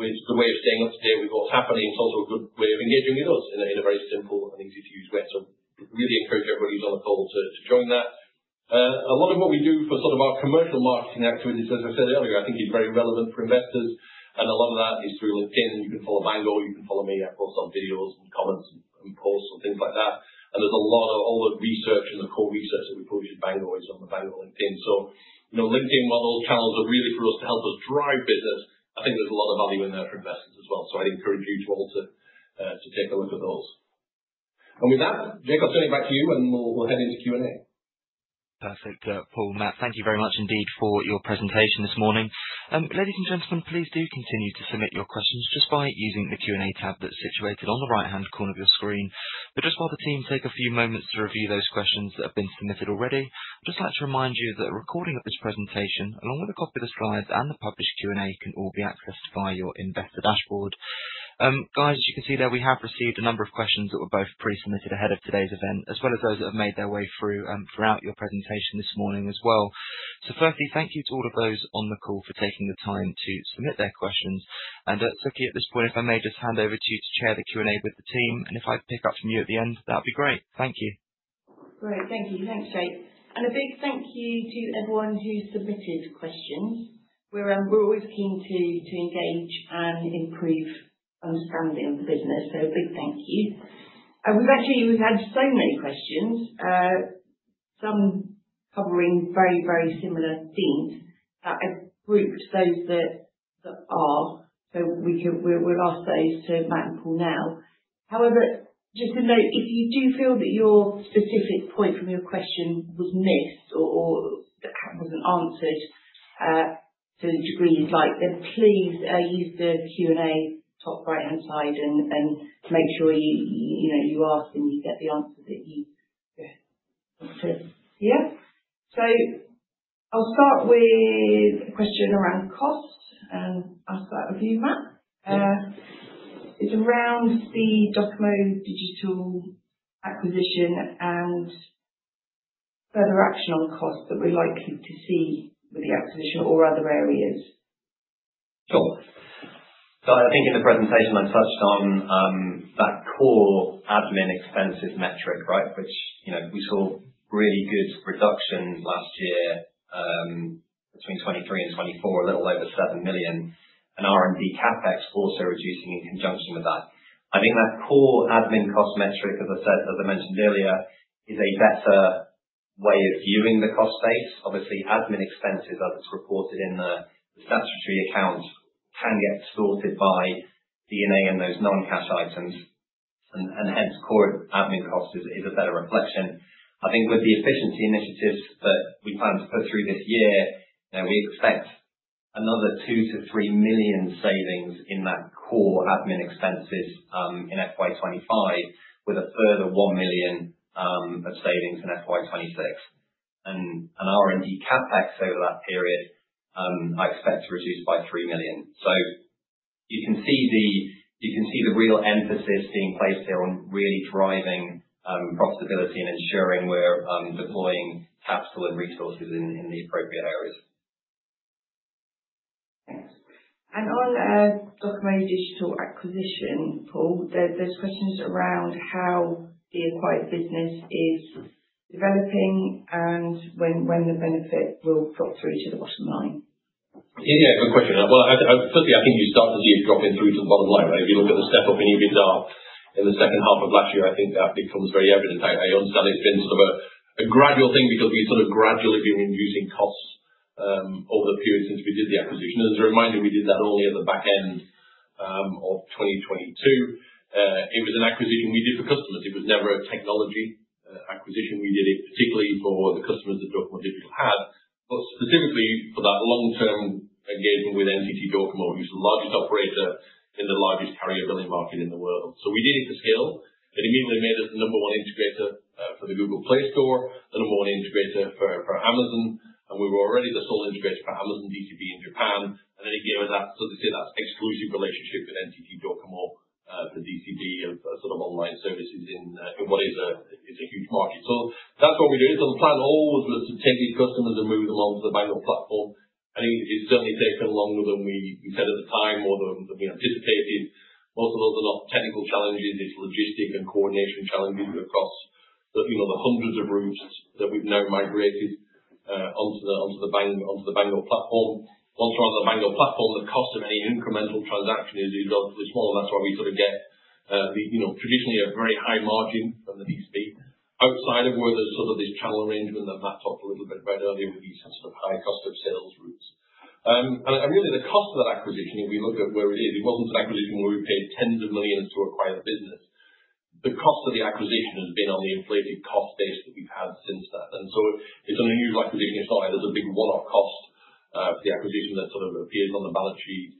with the way of staying up to date with what's happening. It's also a good way of engaging with us in a very simple and easy-to-use way. Really encourage everybody who's on the call to join that. A lot of what we do for sort of our commercial marketing activities, as I said earlier, I think is very relevant for investors, a lot of that is through LinkedIn. You can follow Bango, you can follow me. I post on videos and comments and posts and things like that. There's a lot of all the research and the core research that we produce at Bango is on the Bango LinkedIn. LinkedIn, while those channels are really for us to help us drive business, I think there's a lot of value in there for investors as well. I'd encourage you all to take a look at those. With that, Jacob, I'll turn it back to you, and we'll head into Q&A. Perfect. Paul, Matt, thank you very much indeed for your presentation this morning. Ladies and gentlemen, please do continue to submit your questions just by using the Q&A tab that's situated on the right-hand corner of your screen. Just while the team take a few moments to review those questions that have been submitted already, I'd just like to remind you that a recording of this presentation, along with a copy of the slides and the published Q&A, can all be accessed via your investor dashboard. Guys, as you can see there, we have received a number of questions that were both pre-submitted ahead of today's event, as well as those that have made their way through throughout your presentation this morning as well. Firstly, thank you to all of those on the call for taking the time to submit their questions. Sukie, at this point, if I may just hand over to you to chair the Q&A with the team, and if I pick up from you at the end, that'd be great. Thank you. Great. Thank you. Thanks, Jake. A big thank you to everyone who submitted questions. We're always keen to engage and improve understanding of the business, a big thank you. We've actually had so many questions, some covering very, very similar themes that I've grouped those that are, we'll ask those to Matt and Paul now. However, just a note, if you do feel that your specific point from your question was missed or that it wasn't answered to a degree you'd like, then please use the Q&A top right-hand side and make sure you ask and you get the answers that you want. I'll start with a question around cost. I'll start with you, Matt. It's around the DOCOMO Digital acquisition and further action on costs that we're likely to see with the acquisition or other areas. Sure. I think in the presentation I touched on that core admin expenses metric, right? Which we saw really good reductions last year between 2023 and 2024, a little over 7 million, and R&D CapEx also reducing in conjunction with that. I think that core admin cost metric, as I mentioned earlier, is a better way of viewing the cost base. Obviously, admin expenses as it's reported in the statutory accounts can get distorted by D&A and those non-cash items and hence core admin cost is a better reflection. I think with the efficiency initiatives that we plan to put through this year, we expect another 2 million-3 million savings in that core admin expenses in FY 2025 with a further 1 million of savings in FY 2026. Our R&D CapEx over that period, I expect to reduce by 3 million. You can see the real emphasis being placed here on really driving profitability and ensuring we're deploying capital and resources in the appropriate areas. Thanks. On DOCOMO Digital acquisition, Paul, there's questions around how the acquired business is developing and when the benefit will drop through to the bottom line. Yeah, good question. Well, firstly, I think you start to see it dropping through to the bottom line, right? If you look at the step-up in EBITDA in the second half of last year, I think that becomes very evident. I understand it's been sort of a gradual thing because we've gradually been reducing costs over the period since we did the acquisition. As a reminder, we did that only at the back end of 2022. It was an acquisition we did for customers. It was never a technology acquisition. We did it particularly for the customers that DOCOMO Digital had, but specifically for that long-term engagement with NTT Docomo, who's the largest operator in the largest carrier billing market in the world. We did it for scale. It immediately made us the number one integrator for the Google Play Store, the number one integrator for Amazon, and we were already the sole integrator for Amazon B2B in Japan. It gave us that, as I say, that exclusive relationship with NTT Docomo for B2B of online services in what is a huge market. That's what we're doing. The plan always was to take these customers and move them onto the Bango platform. I think it's certainly taken longer than we said at the time or than we anticipated. Most of those are not technical challenges. It's logistic and coordination challenges across the hundreds of routes that we've now migrated onto the Bango platform. Once we're on the Bango platform, the cost of any incremental transaction is obviously smaller. That's why we get traditionally a very high margin from the B2B. Outside of where there's sort of this channel arrangement that Matt talked a little bit about earlier with these sort of high cost of sales routes. Really the cost of that acquisition, if we look at where it is, it wasn't an acquisition where we paid tens of millions to acquire the business. The cost of the acquisition has been on the inflated cost base that we've had since that. It's not a huge acquisition. It's not like there's a big one-off cost for the acquisition that appears on the balance sheet.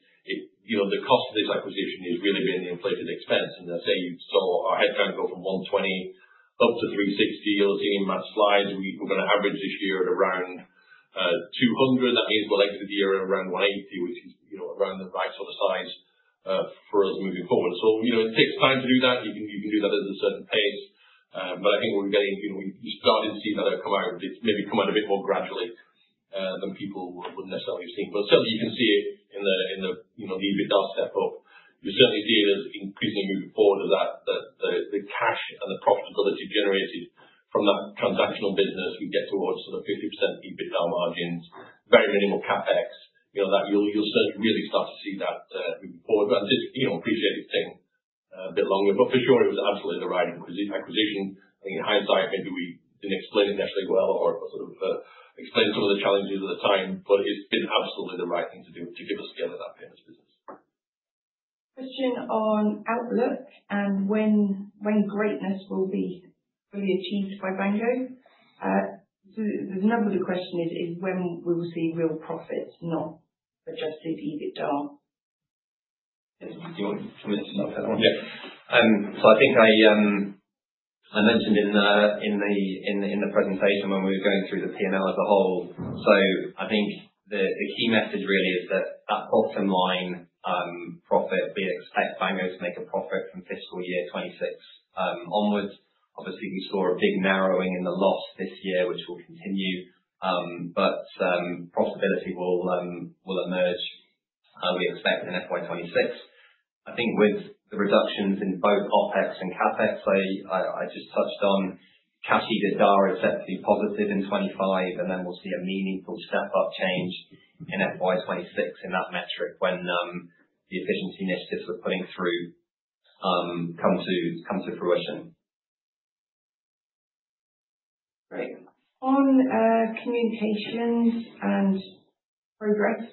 The cost of this acquisition has really been the inflated expense. As I say, you saw our headcount go from 120 up to 360. You'll have seen in Matt's slides, we're going to average this year at around 200. That means we'll exit the year at around 180, which is around the right sort of size for us moving forward. It takes time to do that. You can do that at a certain pace. I think what we're getting. We've started to see that come out. It's maybe come out a bit more gradually than people would necessarily have seen. Certainly, you can see it in the EBITDA step-up. You certainly see it as increasingly moving forward that the cash and the profitability generated from that transactional business, we get towards sort of 50% EBITDA margins, very minimal CapEx. You'll certainly really start to see that moving forward. I did appreciate it taking a bit longer. For sure, it was absolutely the right acquisition. I think in hindsight, maybe we didn't explain it necessarily well or explain some of the challenges at the time, it's been absolutely the right thing to do to give us scale at that payments business. Question on outlook and when greatness will be fully achieved by Bango. The nub of the question is when we will see real profits, not adjusted EBITDA. Do you want me to start that one? Yeah. I think I mentioned in the presentation when we were going through the P&L as a whole. I think the key message really is that that bottom line profit, we expect Bango to make a profit from fiscal year 2026 onwards. Obviously, we saw a big narrowing in the loss this year, which will continue. Profitability will emerge, we expect, in FY 2026. I think with the reductions in both OpEx and CapEx, I just touched on cash EBITDA is set to be positive in 2025, and then we'll see a meaningful step-up change in FY 2026 in that metric when the efficiency initiatives we're putting through come to fruition. Great. On communications and progress,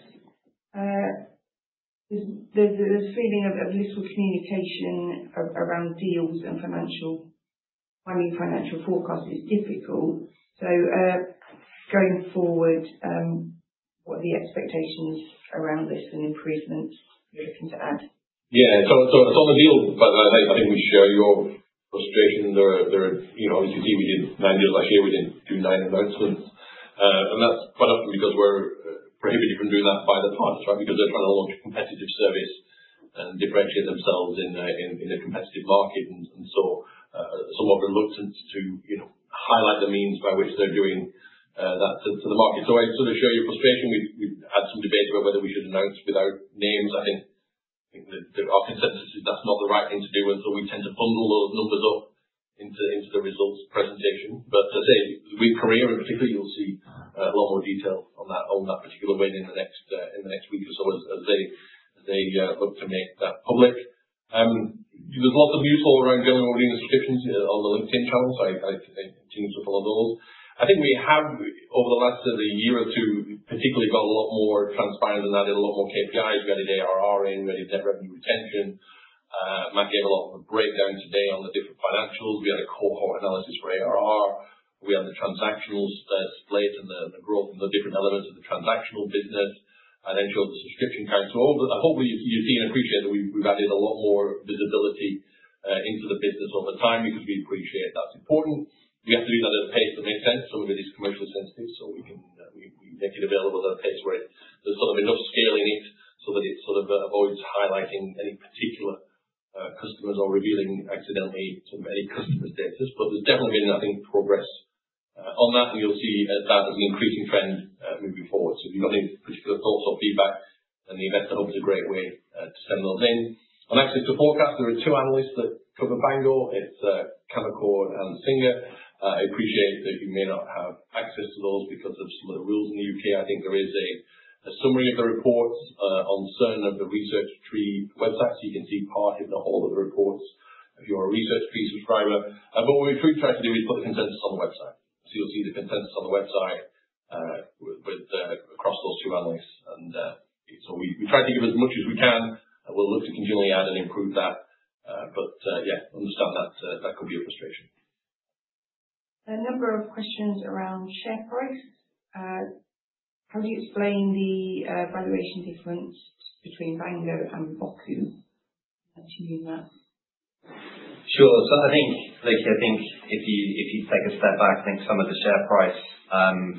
there's this feeling of useful communication around deals and planning financial forecast is difficult. Going forward, what are the expectations around this and improvements you're looking to add? Yeah. On the deals front, I think we share your frustration. Obviously, we did nine deals last year. We didn't do nine announcements. That's quite often because we're prohibited from doing that by the partners, right? Because they're trying to launch a competitive service and differentiate themselves in a competitive market. Somewhat reluctant to highlight the means by which they're doing that to the market. I sort of share your frustration. We've had some debates about whether we should announce without names. I think that our consensus is that's not the right thing to do. We tend to bundle those numbers up into the results presentation. As I say, with Korea in particular, you'll see a lot more detail on that particular win in the next week or so as they look to make that public. There's lots of news flow around going over the subscriptions on the LinkedIn channel, I'd encourage you to follow those. I think we have, over the last sort of year or two particularly, got a lot more transparent on that, a lot more KPIs. We added ARR in, we added net revenue retention. Matt gave a lot of a breakdown today on the different financials. We had a cohort analysis for ARR. We have the transactionals displayed and Growth from the different elements of the transactional business, then show the subscription counts. I hope you see and appreciate that we've added a lot more visibility into the business over time because we appreciate that's important. We have to do that at a pace that makes sense. Some of it is commercially sensitive, we make it available at a pace where there's enough scale in it that it sort of avoids highlighting any particular customers or revealing accidentally some customer status. There's definitely been nothing progress on that, you'll see that as an increasing trend moving forward. If you've got any particular thoughts or feedback, the InvestorHub is a great way to send those in. On access to forecasts, there are two analysts that cover Bango. It's Canaccord and Singer. I appreciate that you may not have access to those because of some of the rules in the U.K. I think there is a summary of the reports on certain of the Research Tree websites. You can see part, if not all, of the reports if you are a Research Tree subscriber. What we do try to do is put the consensus on the website. You'll see the consensus on the website across those two analysts. We try to give as much as we can, we'll look to continually add and improve that. Yeah, understand that could be a frustration. A number of questions around share price. How do you explain the valuation difference between Bango and Boku between that? Sure. I think if you take a step back, I think some of the share price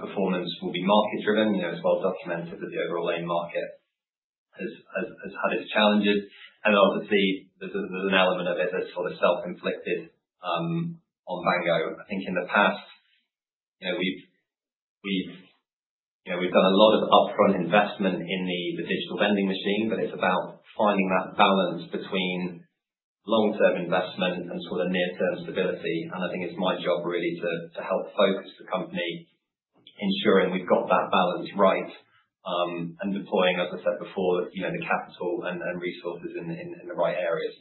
performance will be market driven. It's well documented that the overall AIM market has had its challenges, obviously there's an element of it that's sort of self-inflicted on Bango. I think in the past, we've done a lot of upfront investment in the Digital Vending Machine, but it's about finding that balance between long-term investment and sort of near-term stability. I think it's my job really to help focus the company, ensuring we've got that balance right and deploying, as I said before, the capital and resources in the right areas.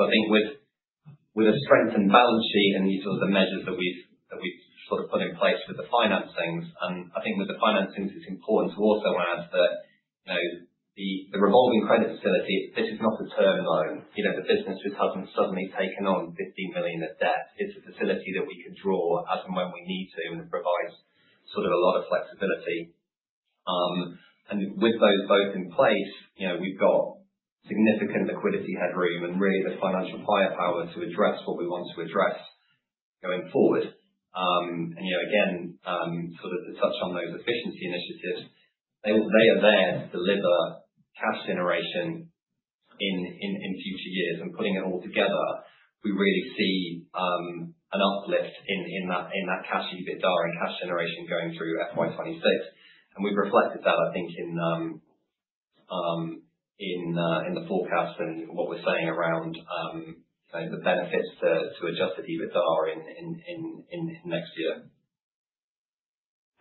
I think with a strengthened balance sheet and these sorts of measures that we've put in place with the financings, I think with the financings, it's important to also add that the revolving credit facility, this is not a term loan. The business just hasn't suddenly taken on 50 million of debt. It's a facility that we can draw as and when we need to, it provides a lot of flexibility. With those both in place, we've got significant liquidity headroom and really the financial firepower to address what we want to address going forward. Again, to touch on those efficiency initiatives, they are there to deliver cash generation in future years. Putting it all together, we really see an uplift in that cash EBITDA, cash generation going through FY 2026. We've reflected that, I think, in the forecast and what we're saying around the benefits to adjusted EBITDA in next year.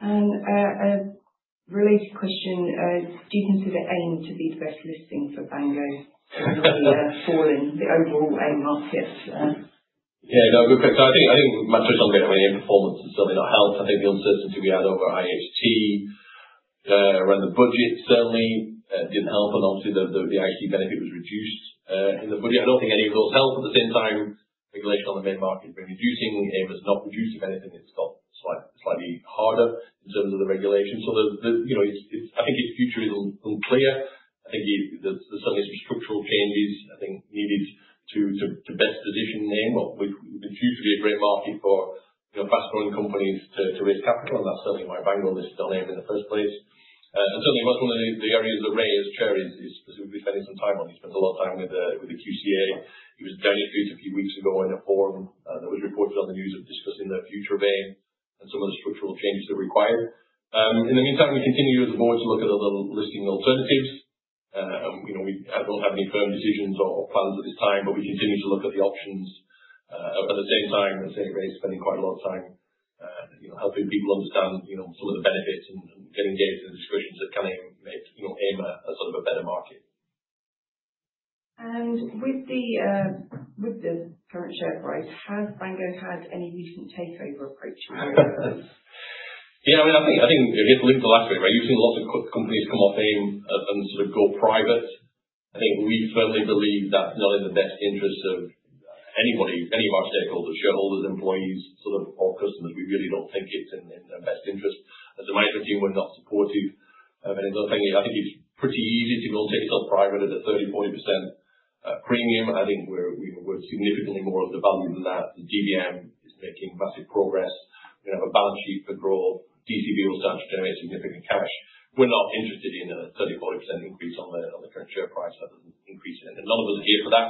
A related question, do you consider AIM to be the best listing for Bango falling the overall AIM market? Yeah, no, good question. I think matters don't get any performance. It's certainly not helped. I think the uncertainty we had over IHT around the budget certainly didn't help, and obviously the IT benefit was reduced in the budget. I don't think any of those helped. At the same time, regulation on the main market has been reducing. AIM has not reduced. If anything, it's got slightly harder in terms of the regulation. I think its future is unclear. I think there's certainly some structural changes I think needed to best position AIM up, which used to be a great market for fast-growing companies to raise capital, and that's certainly why Bango listed on AIM in the first place. Certainly, that's one of the areas that Ray, as chair, is specifically spending some time on. He spends a lot of time with the QCA. He was down at the street a few weeks ago in a forum that was reported on the news of discussing the future of AIM and some of the structural changes that are required. In the meantime, we continue as a board to look at other listing alternatives. We don't have any firm decisions or plans at this time, but we continue to look at the options. At the same time, I would say Ray is spending quite a lot of time helping people understand some of the benefits and getting engaged in discussions of can AIM make a better market. With the current share price, has Bango had any recent takeover approaches? Yeah. I think it links the last bit where you've seen lots of companies come off AIM and sort of go private. I think we firmly believe that's not in the best interest of anybody, any of our stakeholders, shareholders, employees, or customers. We really don't think it's in their best interest. As a management team, we're not supportive. Another thing, I think it's pretty easy to take yourself private at a 30%, 40% premium. I think we're significantly more of the value than that. The DVM is making massive progress. We have a balance sheet to draw. DCB will start to generate significant cash. We're not interested in a 30%, 40% increase on the current share price. That doesn't increase anything. None of us are here for that.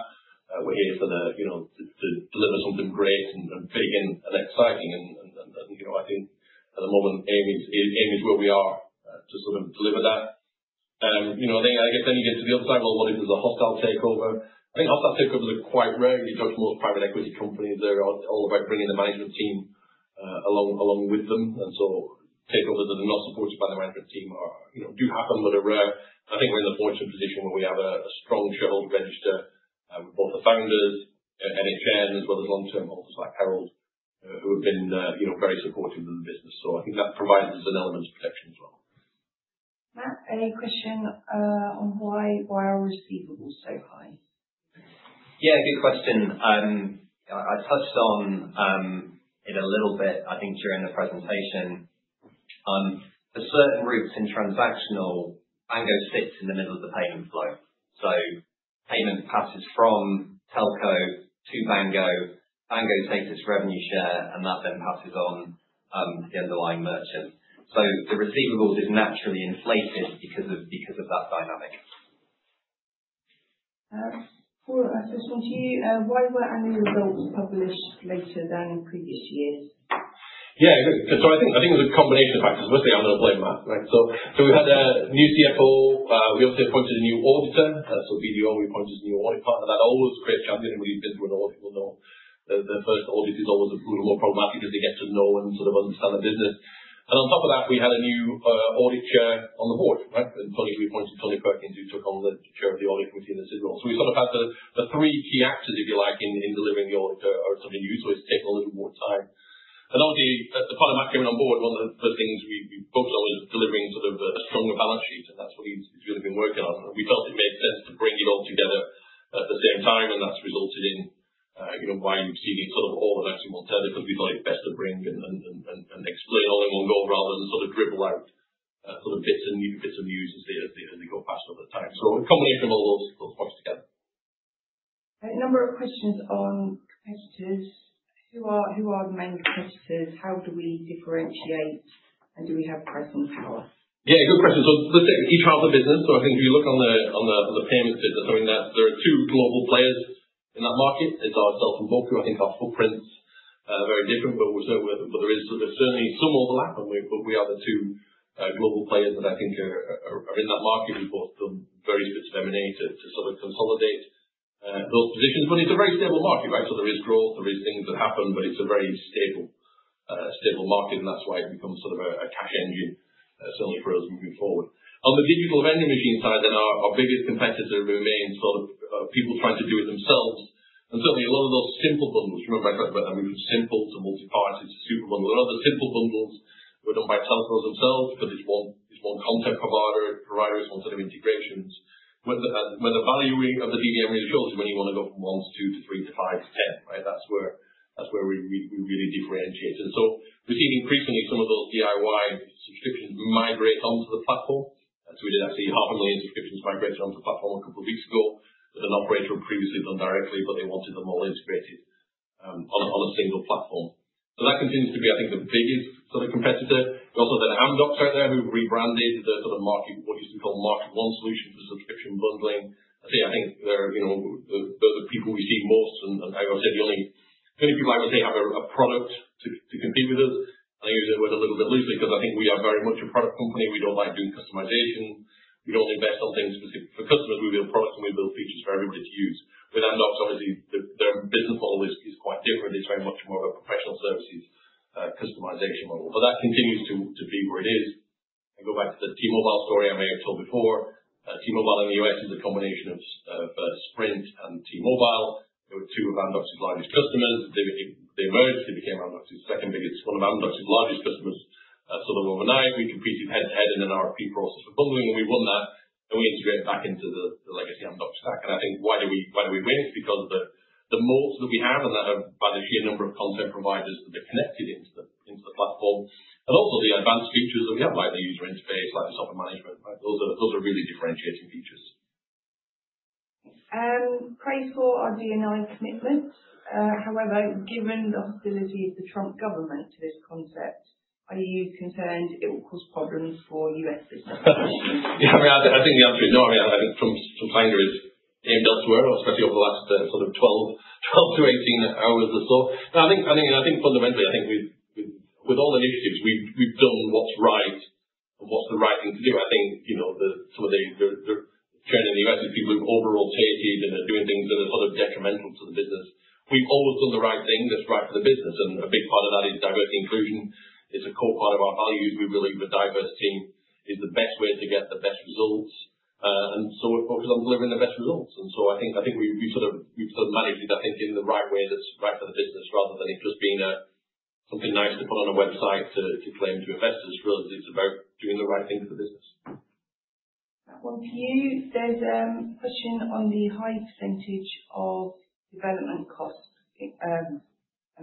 We're here to deliver something great and big and exciting. I think at the moment, AIM is where we are to sort of deliver that. I guess you get to the other side. Well, what if there's a hostile takeover? I think hostile takeovers are quite rare if you judge most private equity companies. They're all about bringing the management team along with them. Takeovers that are not supported by the management team do happen, but are rare. I think we're in a fortunate position where we have a strong shareholder register with both the founders, NHN, as well as long-term holders like Herald, who have been very supportive of the business. I think that provides us an element of protection. Matt, any question on why are receivables so high? Yeah, good question. I touched on it a little bit, I think, during the presentation. For certain routes in transactional, Bango sits in the middle of the payment flow. Payment passes from telco to Bango. Bango takes its revenue share, that then passes on to the underlying merchant. The receivables is naturally inflated because of that dynamic. Paul, this one's you. Why were annual results published later than in previous years? Yeah, good. I think it was a combination of factors. Firstly, I'm going to blame Matt, right? We had a new CFO. We also appointed a new auditor. BDO, we appointed a new audit partner. That always creates challenges in any business, where an audit will know the first audit is always a little more problematic because they get to know and sort of understand the business. On top of that, we had a new audit chair on the board, right? Tony, we appointed Tony Perkins, who took on the chair of the audit committee in the CISR. We sort of had the three key actors, if you like, in delivering the auditor or something new, so it's taken a little more time. Obviously, as part of Matt coming on board, one of the first things we focused on was delivering sort of a stronger balance sheet, and that's what he's really been working on. We felt it made sense to bring it all together at the same time, and that's resulted in why you're seeing it sort of all and actually, alternatively like best of breed and explain all in one go rather than sort of dribble out sort of bits and pieces as we go fast over time. A combination of all those parts together. A number of questions on competitors. Who are the main competitors? How do we differentiate, and do we have pricing power? Yeah, good question. Let's take a key part of the business. I think if you look on the payments business, I mean, there are two global players in that market. It's ourselves and Boku. I think our footprints are very different, but there's certainly some overlap, but we are the two global players that I think are in that market who've got the various bits of M&A to sort of consolidate those positions. It's a very stable market, right? There is growth, there is things that happen, but it's a very stable market, and that's why it becomes sort of a cash engine certainly for us moving forward. On the Digital Vending Machine side, our biggest competitor remains sort of people trying to do it themselves. Certainly a lot of those simple bundles, remember I talked about that, we move simple to multi-parted, super bundles. A lot the simple bundles were done by telcos themselves because it's one content provider, it's one set of integrations. Where the value of the DVM really shows is when you want to go from one to two to three to five to 10, right? That's where we really differentiate. We're seeing increasingly some of those DIY subscriptions migrate onto the platform. We did actually 500,000 subscriptions migrated onto the platform a couple of weeks ago with an operator who previously done directly, but they wanted them all integrated on a single platform. That continues to be, I think, the biggest sort of competitor. Also the Amdocs out there who've rebranded the sort of MarketONE solution for subscription bundling. I think they're the people we see most, and like I said, the only people I would say have a product to compete with us. I use that word a little bit loosely because I think we are very much a product company. We don't like doing customization. We don't invest on things specific for customers. We build products, and we build features for everybody to use. With Amdocs, obviously, their business model is quite different. It's very much more of a professional services customization model, but that continues to be where it is. I go back to the T-Mobile story I may have told before. T-Mobile in the U.S. is a combination of Sprint and T-Mobile. They were two of Amdocs' largest customers. They merged, they became Amdocs' second biggest, one of Amdocs' largest customers sort of overnight. We competed head to head in an RFP process for bundling, we won that, and we integrated back into the legacy Amdocs stack. I think why do we win is because the moats that we have and the sheer number of content providers that are connected into the platform. Also the advanced features that we have, like the user interface, like the software management, right? Those are really differentiating features. Praise for our D&I commitment. However, given the hostility of the Trump government to this concept, are you concerned it will cause problems for U.S. business? Yeah, I think the answer is no. I think Trump's anger is aimed elsewhere, especially over the last sort of 12 to 18 hours or so. No, I think fundamentally, I think with all the initiatives we've done what's right and what's the right thing to do. I think some of the trend in the U.S. is people who've over-rotated and are doing things that are sort of detrimental to the business. We've always done the right thing that's right for the business, and a big part of that is diversity and inclusion. It's a core part of our values. We believe a diverse team is the best way to get the best results, so we're focused on delivering the best results. I think we've sort of managed that, I think in the right way that's right for the business rather than it just being something nice to put on a website to claim to investors. For us, it's about doing the right thing for the business. That one's you. There's a question on the high % of development costs and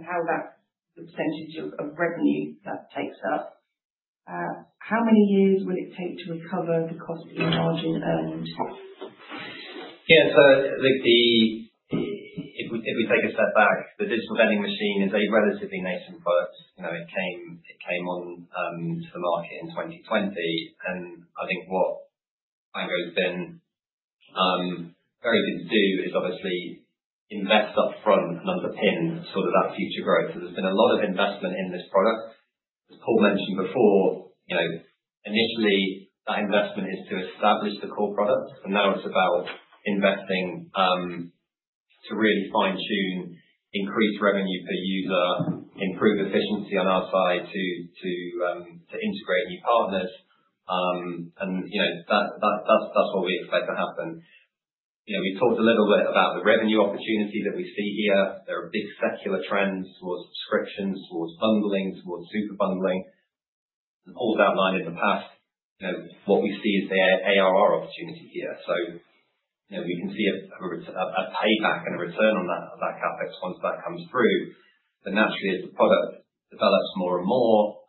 how that % of revenue that takes up. How many years will it take to recover the cost of the margin earned? Yeah. If we take a step back, the Digital Vending Machine is a relatively nascent product. It came onto the market in 2020. I think what Bango's been very good to do is obviously invest upfront and underpin sort of that future growth. There's been a lot of investment in this product. As Paul mentioned before, initially that investment is to establish the core product. Now it's about investing to really fine-tune increased revenue per user, improve efficiency on our side to integrate new partners. That's what we expect to happen. We talked a little bit about the revenue opportunity that we see here. There are big secular trends towards subscriptions, towards bundling, towards super bundling, and all that outlined in the past. What we see is the ARR opportunity here. We can see a payback and a return on that CapEx once that comes through. Naturally, as the product develops more and more,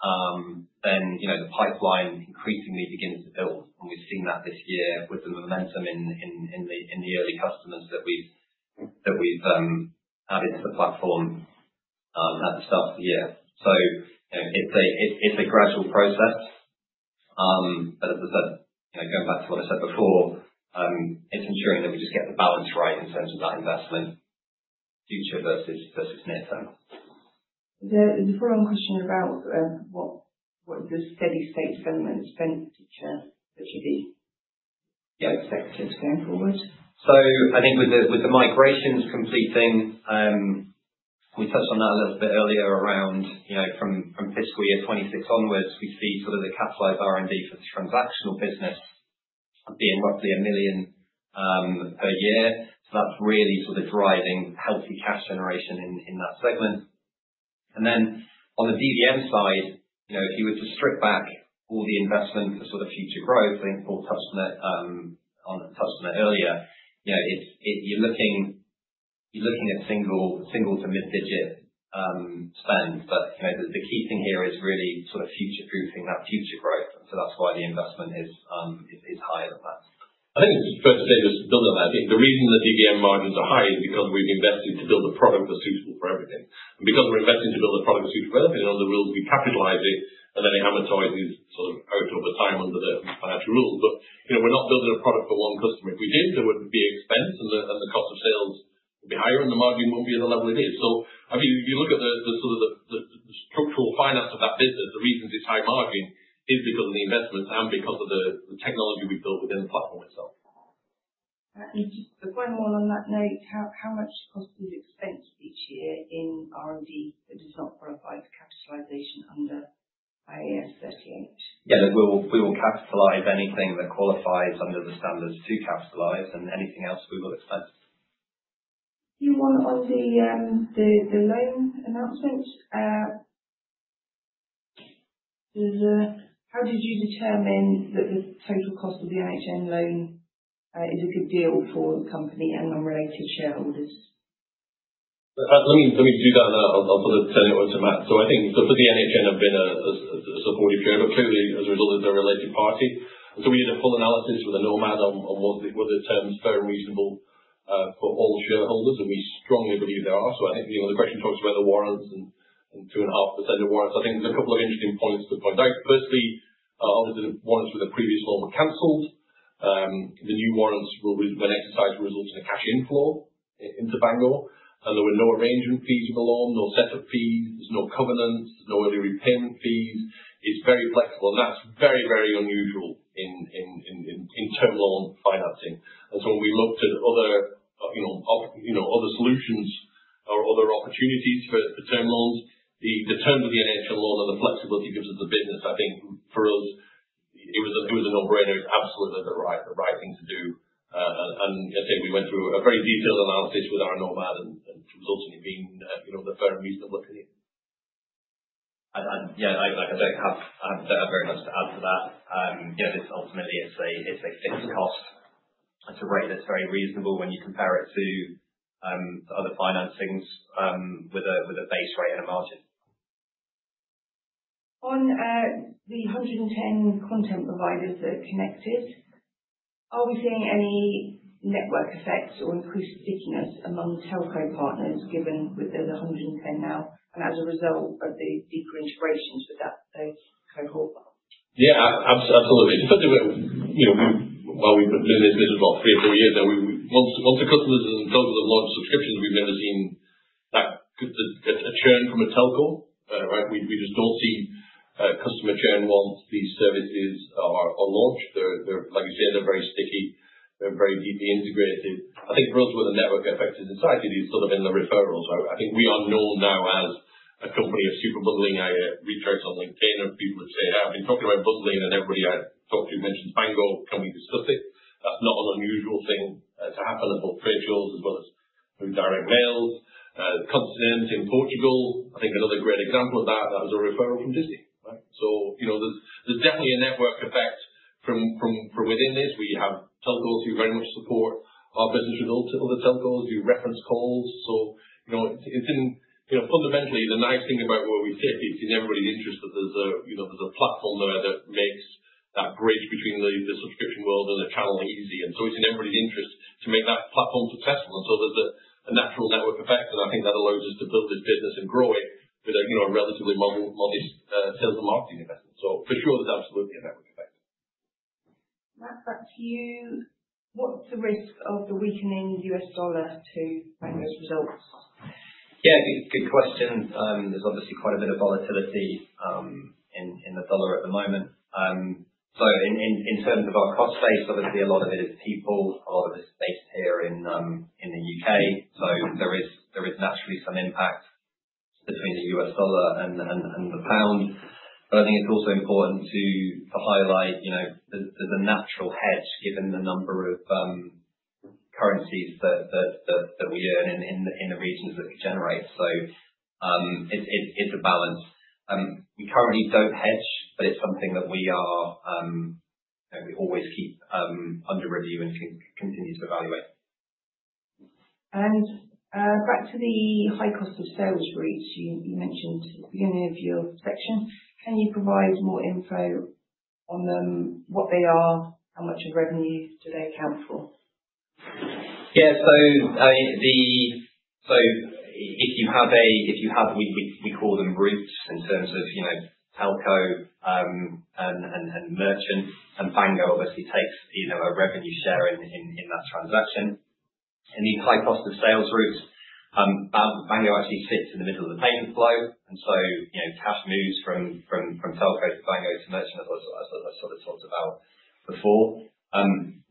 then the pipeline increasingly begins to build. We've seen that this year with the momentum in the early customers that we've added to the platform at the start of the year. It's a gradual process. As I said, going back to what I said before, it's ensuring that we just get the balance right in terms of that investment, future versus near term. There's a follow-on question about what the steady state segment spend for future actually be? You know, sectors going forward. I think with the migrations completing, we touched on that a little bit earlier around from FY 2026 onwards, we see sort of the capitalized R&D for the transactional business being roughly 1 million per year. That's really sort of driving healthy cash generation in that segment. On the DVM side, if you were to strip back all the investment for sort of future growth, I think Paul touched on it earlier, you're looking at single to mid-digit spend. The key thing here is really sort of future-proofing that future growth. That's why the investment is higher than that. I think it's fair to say this, building on that, the reason the DVM margins are high is because we've invested to build a product that's suitable for everything. Because we're investing to build a product that's suitable for everything, under rules we capitalize it and then amortize it sort of out over time under the financial rules. We're not building a product for one customer. If we did, there would be expense and the cost of sales would be higher, and the margin wouldn't be at the level it is. I mean, if you look at the structural finance of that business, the reason it's high margin is because of the investments and because of the technology we've built within the platform itself. Just a follow on that note, how much cost is expensed each year in R&D that does not qualify for capitalization under IAS 38? Look, we will capitalize anything that qualifies under the standards to capitalize and anything else we will expense. You want on the loan announcement. How did you determine that the total cost of the NHN loan is a good deal for the company and unrelated shareholders? Let me do that, I'll sort of turn it over to Matt. I think, for the NHN have been a supportive shareholder, clearly as a result they're a related party. We did a full analysis with a Nomad on were the terms fair and reasonable for all the shareholders, and we strongly believe they are. I think the question talks about the warrants and 2.5% of warrants. I think there's a couple of interesting points to point out. Firstly, obviously, the warrants with the previous loan were canceled. The new warrants when exercised will result in a cash inflow into Bango, there were no arrangement fees with the loan, no set of fees. There's no covenants, no early repayment fees. It's very flexible, and that's very unusual in term loan financing. When we looked at other solutions or other opportunities for term loans, the terms of the NHN loan and the flexibility it gives us a business, I think for us it was a no-brainer. It was absolutely the right thing to do. As I say, we went through a very detailed analysis with our Nomad and it's ultimately been fairly reasonably looking. Yeah, I don't have very much to add to that. This ultimately it's a fixed cost at a rate that's very reasonable when you compare it to other financings, with a base rate and a margin. On the 110 content providers that are connected, are we seeing any network effects or increased stickiness amongst telco partners, given that there's 110 now and as a result of the deeper integrations with that cohort? Absolutely. In fact, while we've been doing this is about three or four years now, once the customers have launched subscriptions, we've never seen a churn from a telco. We just don't see customer churn once these services are launched. Like you say, they're very sticky, they're very deeply integrated. I think for us, with the network effect, it's actually sort of in the referrals. I think we are known now as a company of super bundling. I reach out on LinkedIn and people would say, "I've been talking about bundling, and everybody I talk to mentions Bango. Can we discuss it?" That's not an unusual thing to happen at both trade shows as well as through direct mails. Continente in Portugal, I think another great example of that was a referral from Disney, right? There's definitely a network effect from within this. We have telcos who very much support our business with also other telcos who reference calls. Fundamentally, the nice thing about where we sit, it's in everybody's interest that there's a platform there that makes that bridge between the subscription world and the channel easy. It's in everybody's interest to make that platform successful. There's a natural network effect, and I think that allows us to build this business and grow it with a relatively modest sales and marketing investment. For sure, there's absolutely a network effect. Matt, back to you. What's the risk of the weakening US dollar to Bango's results? Good question. There's obviously quite a bit of volatility in the dollar at the moment. In terms of our cost base, obviously a lot of it is people, a lot of it is based here in the U.K. There is naturally some impact between the US dollar and the pound. I think it's also important to highlight there's a natural hedge given the number of currencies that we earn in the regions that we generate. It's a balance. We currently don't hedge, it's something that we always keep under review and continue to evaluate. Back to the high cost of sales routes. You mentioned at the beginning of your section, can you provide more info on them, what they are, how much of revenues do they account for? If you have, we call them routes in terms of telco and merchant, Bango obviously takes a revenue share in that transaction. In the high cost of sales routes, Bango actually sits in the middle of the payment flow. Cash moves from telco to Bango to merchant, as I sort of talked about before.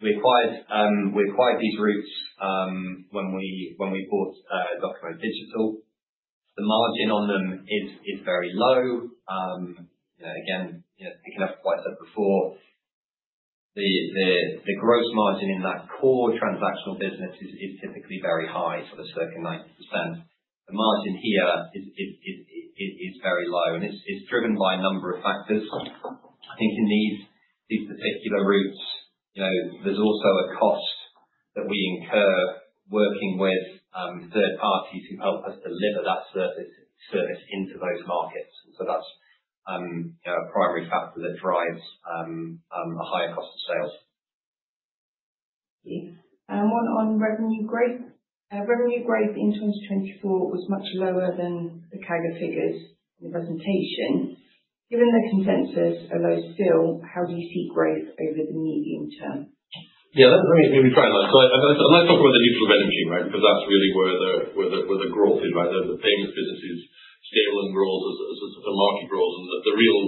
We acquired these routes when we bought DOCOMO Digital. The margin on them is very low. Again, picking up what I said before, the gross margin in that core transactional business is typically very high, sort of circling 90%. The margin here is very low, and it's driven by a number of factors. I think in these particular routes, there's also a cost that we incur working with third parties who help us deliver that service into those markets. That is a primary factor that drives a higher cost of sales. One on revenue growth. Revenue growth in 2024 was much lower than the CAGR figures in the presentation. Given the consensus are low still, how do you see growth over the medium term? Let me try that. Let's talk about the digital revenue stream, right? Because that's really where the growth is, right? The payments business is stable and grows as the market grows, and the real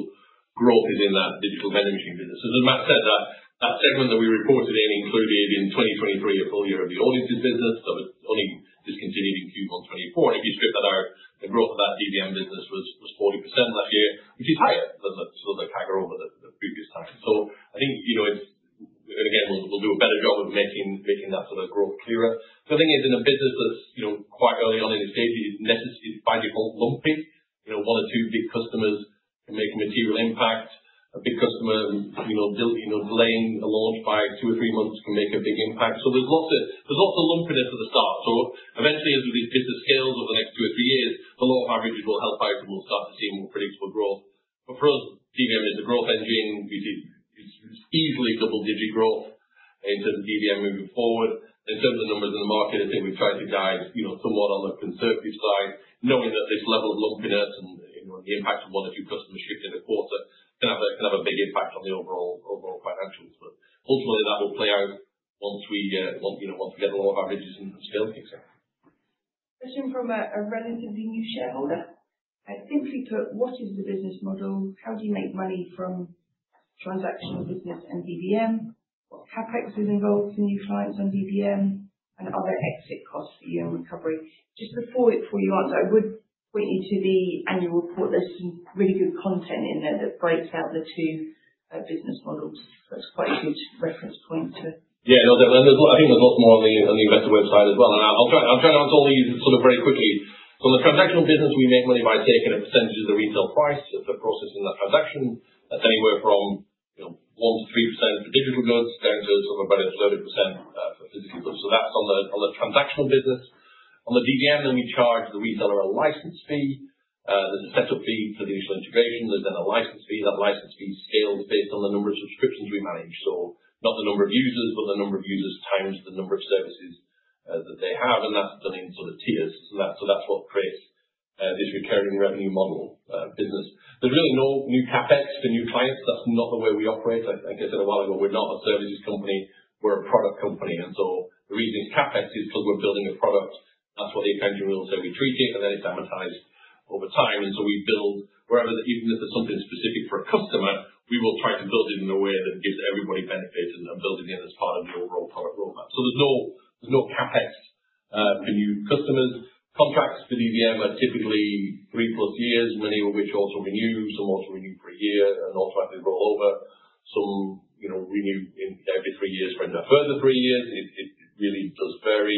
growth is in that Digital Vending Machine business. As Matt said, that segment that we reported in included in 2023 a full year of the audiences business. It only discontinued in Q1 2024. If you strip that out, the growth of that DVM business was 40% that year, which is higher than the sort of the CAGR over the previous time. I think, again, we'll do a better job of making that sort of growth clearer. The thing is, in a business that's quite early on in the stages, by default, lumpy, one or two big customers can make a material impact. A big customer delaying a launch by two or three months can make a big impact. There's lots of lumpiness at the start. Eventually, as we get the scales over the next two or three years, the law of averages will help out, and we'll start to see more predictable growth. For us, DVM is a growth engine. We see easily double-digit growth in terms of DVM moving forward. In terms of numbers in the market, I think we've tried to guide somewhat on the conservative side, knowing that this level of lumpiness and the impact of one or two customers shifting a quarter can have a big impact on the overall financials. Ultimately, that will play out once we get the law of averages and scale things out. Question from a relatively new shareholder. Simply put, what is the business model? How do you make money from transactional business and DVM? What CapEx is involved for new clients on DVM, and are there exit costs for you and recovery? Just before you answer, I would point you to the annual report. There's some really good content in there that breaks out the two business models. That's quite a huge reference point, too. Yeah. No, I think there's lots more on the investor website as well. I'll try and answer all these sort of very quickly. The transactional business, we make money by taking a percentage of the retail price for processing that transaction. That's anywhere from 1%-3% for digital goods, down to sort of about 30% for physical goods. That's on the transactional business. On the DVM, we charge the retailer a license fee. There's a setup fee for the initial integration. There's a license fee. That license fee is scaled based on the number of subscriptions we manage. Not the number of users, but the number of users times the number of services that they have, and that's done in sort of tiers. That's what creates this recurring revenue model business. There's really no new CapEx for new clients. That's not the way we operate. Like I said a while ago, we're not a services company, we're a product company. The reason it's CapEx is because we're building a product. That's what the accounting rules say we treat it, and it's amortized over time. We build wherever, even if it's something specific for a customer, we will try to build it in a way that gives everybody benefits and build it in as part of the overall product roadmap. There's no CapEx for new customers. Contracts for DVM are typically 3-plus years, many of which auto-renew. Some auto-renew for a year, and automatically roll over. Some renew every three years for a further three years. It really does vary.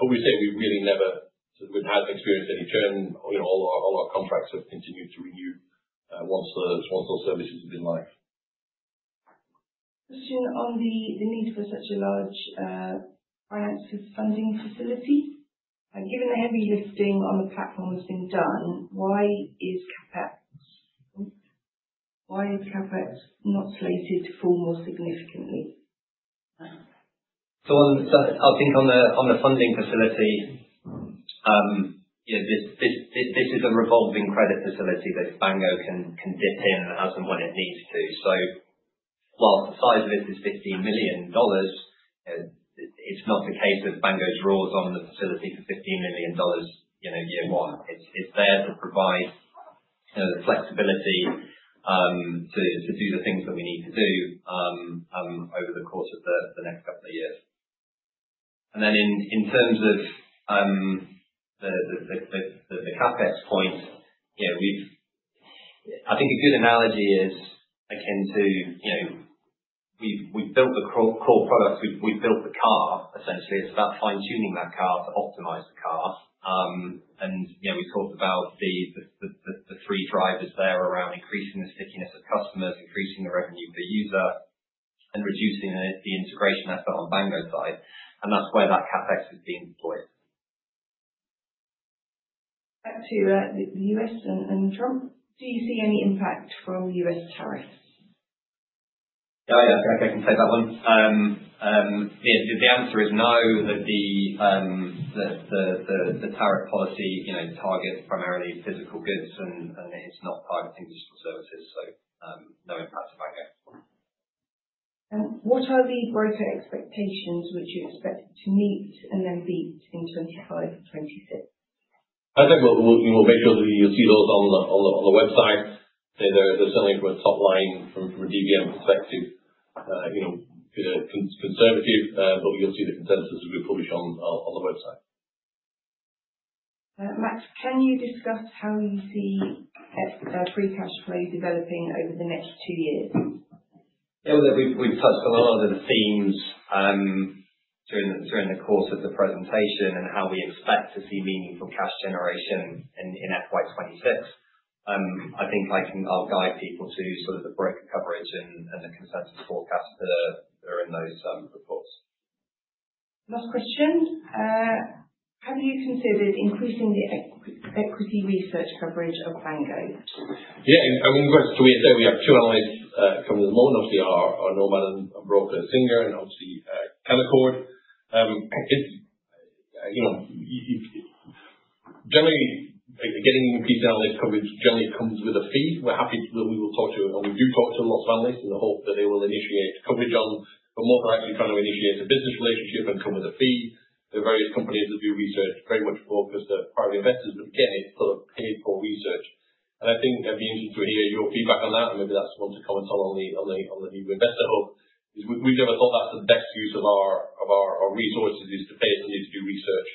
We're saying we really never experienced any churn. All our contracts have continued to renew once those services have been live. Question on the need for such a large financing funding facility. Given the heavy listing on the platform that's been done, why is CapEx not slated to fall more significantly? I think on the funding facility, this is a revolving credit facility that Bango can dip in as, and when it needs to. While the size of it is $15 million, it's not the case that Bango draws on the facility for $15 million year one. It's there to provide the flexibility to do the things that we need to do over the course of the next couple of years. Then in terms of the CapEx point, I think a good analogy is akin to we've built the core product. We've built the car, essentially. It's about fine-tuning that car to optimize the car. We talked about the 3 drivers there around increasing the stickiness of customers, increasing the revenue per user, and reducing the integration effort on Bango side. That's where that CapEx is being deployed. Back to the U.S. and Trump. Do you see any impact from U.S. tariffs? Yeah. I can take that one. The answer is no. The tariff policy targets primarily physical goods, and it's not targeting digital services. No impact to Bango. What are the growth expectations, which you expect to meet and then beat in 2025 and 2026? I think we'll make sure that you'll see those on the website. They're certainly from a top line from a DVM perspective, conservative, but you'll see the consensus we publish on the website. Matt, can you discuss how you see free cash flow developing over the next two years? Yeah. We've touched on a lot of the themes during the course of the presentation and how we expect to see meaningful cash generation in FY 2026. I think I'll guide people to sort of the broker coverage and the consensus forecasts that are in those reports. Last question. Have you considered increasing the equity research coverage of Bango? Yeah. As we said, we have two analysts covering at the moment. Obviously, our Nomura broker, Singer, and obviously Canaccord. Getting increased analyst coverage generally comes with a fee. We will talk to, and we do talk to lots of analysts in the hope that they will initiate coverage on, but more than likely trying to initiate a business relationship and come with a fee. The various companies that do research are very much focused on private investors, but again, it's paid-for research. I think it'd be interesting to hear your feedback on that, and maybe that's one to comment on the new InvestorHub. We've never thought that's the best use of our resources is to pay somebody to do research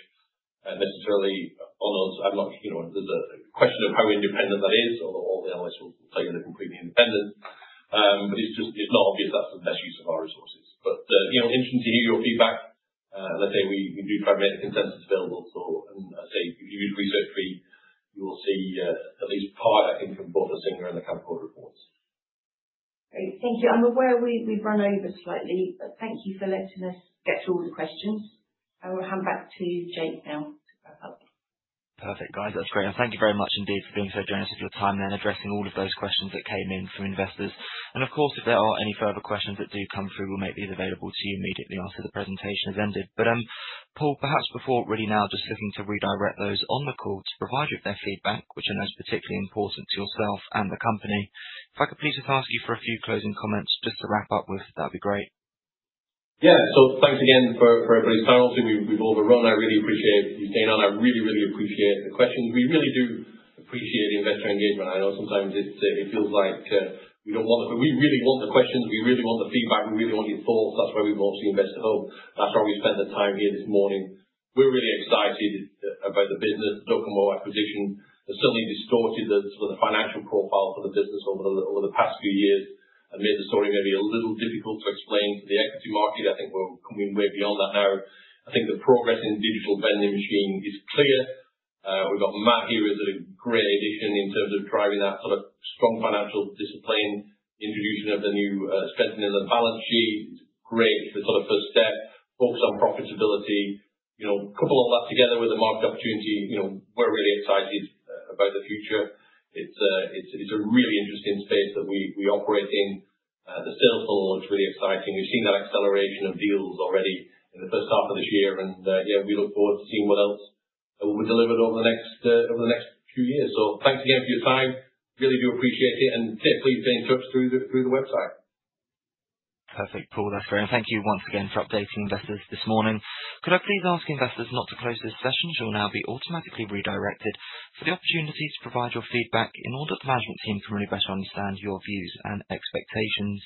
necessarily on us. There's a question of how independent that is, although all the analysts will say they're completely independent. It's not obvious that's the best use of our resources. Interesting to hear your feedback. As I say, we do try and make the consensus available. As I say, if you read Research Tree, you will see at least part, I think, from both the Singer and the Canaccord reports. Great. Thank you. I'm aware we've run over slightly, but thank you for letting us get to all the questions. I will hand back to Jake now to wrap up. Perfect, guys. That's great. Thank you very much indeed for being so generous with your time and addressing all of those questions that came in from investors. Of course, if there are any further questions that do come through, we'll make these available to you immediately after the presentation has ended. Paul, perhaps before, really now just looking to redirect those on the call to provide you with their feedback, which I know is particularly important to yourself and the company. If I could please just ask you for a few closing comments just to wrap up with, that'd be great. Thanks again for everybody's time. Obviously, we've overran. I really appreciate you staying on. I really appreciate the questions. We really do appreciate the investor engagement. I know sometimes it feels like we don't want it, but we really want the questions. We really want the feedback. We really want your thoughts. That's why we've launched the InvestorHub. That's why we spent the time here this morning. We're really excited about the business. DOCOMO Digital acquisition has certainly distorted the financial profile for the business over the past few years and made the story maybe a little difficult to explain to the equity market. I think we're coming way beyond that now. I think the progress in Digital Vending Machine is clear. We've got Matt here, who's a great addition in terms of driving that strong financial discipline. Introduction of the new strength in the balance sheet is great. The sort of first step, focus on profitability. Couple all that together with the market opportunity, we're really excited about the future. It's a really interesting space that we operate in. The sales floor looks really exciting. We've seen that acceleration of deals already in the first half of this year. Yeah, we look forward to seeing what else will be delivered over the next few years. Thanks again for your time. Really do appreciate it, and please stay in touch through the website. Perfect, Paul. That's great. Thank you once again for updating investors this morning. Could I please ask investors not to close this session as you will now be automatically redirected for the opportunity to provide your feedback in order that the management team can really better understand your views and expectations.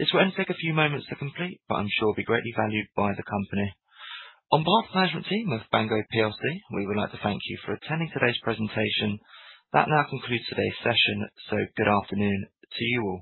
This will only take a few moments to complete but I'm sure will be greatly valued by the company. On behalf of the management team of Bango PLC, we would like to thank you for attending today's presentation. That now concludes today's session, good afternoon to you all.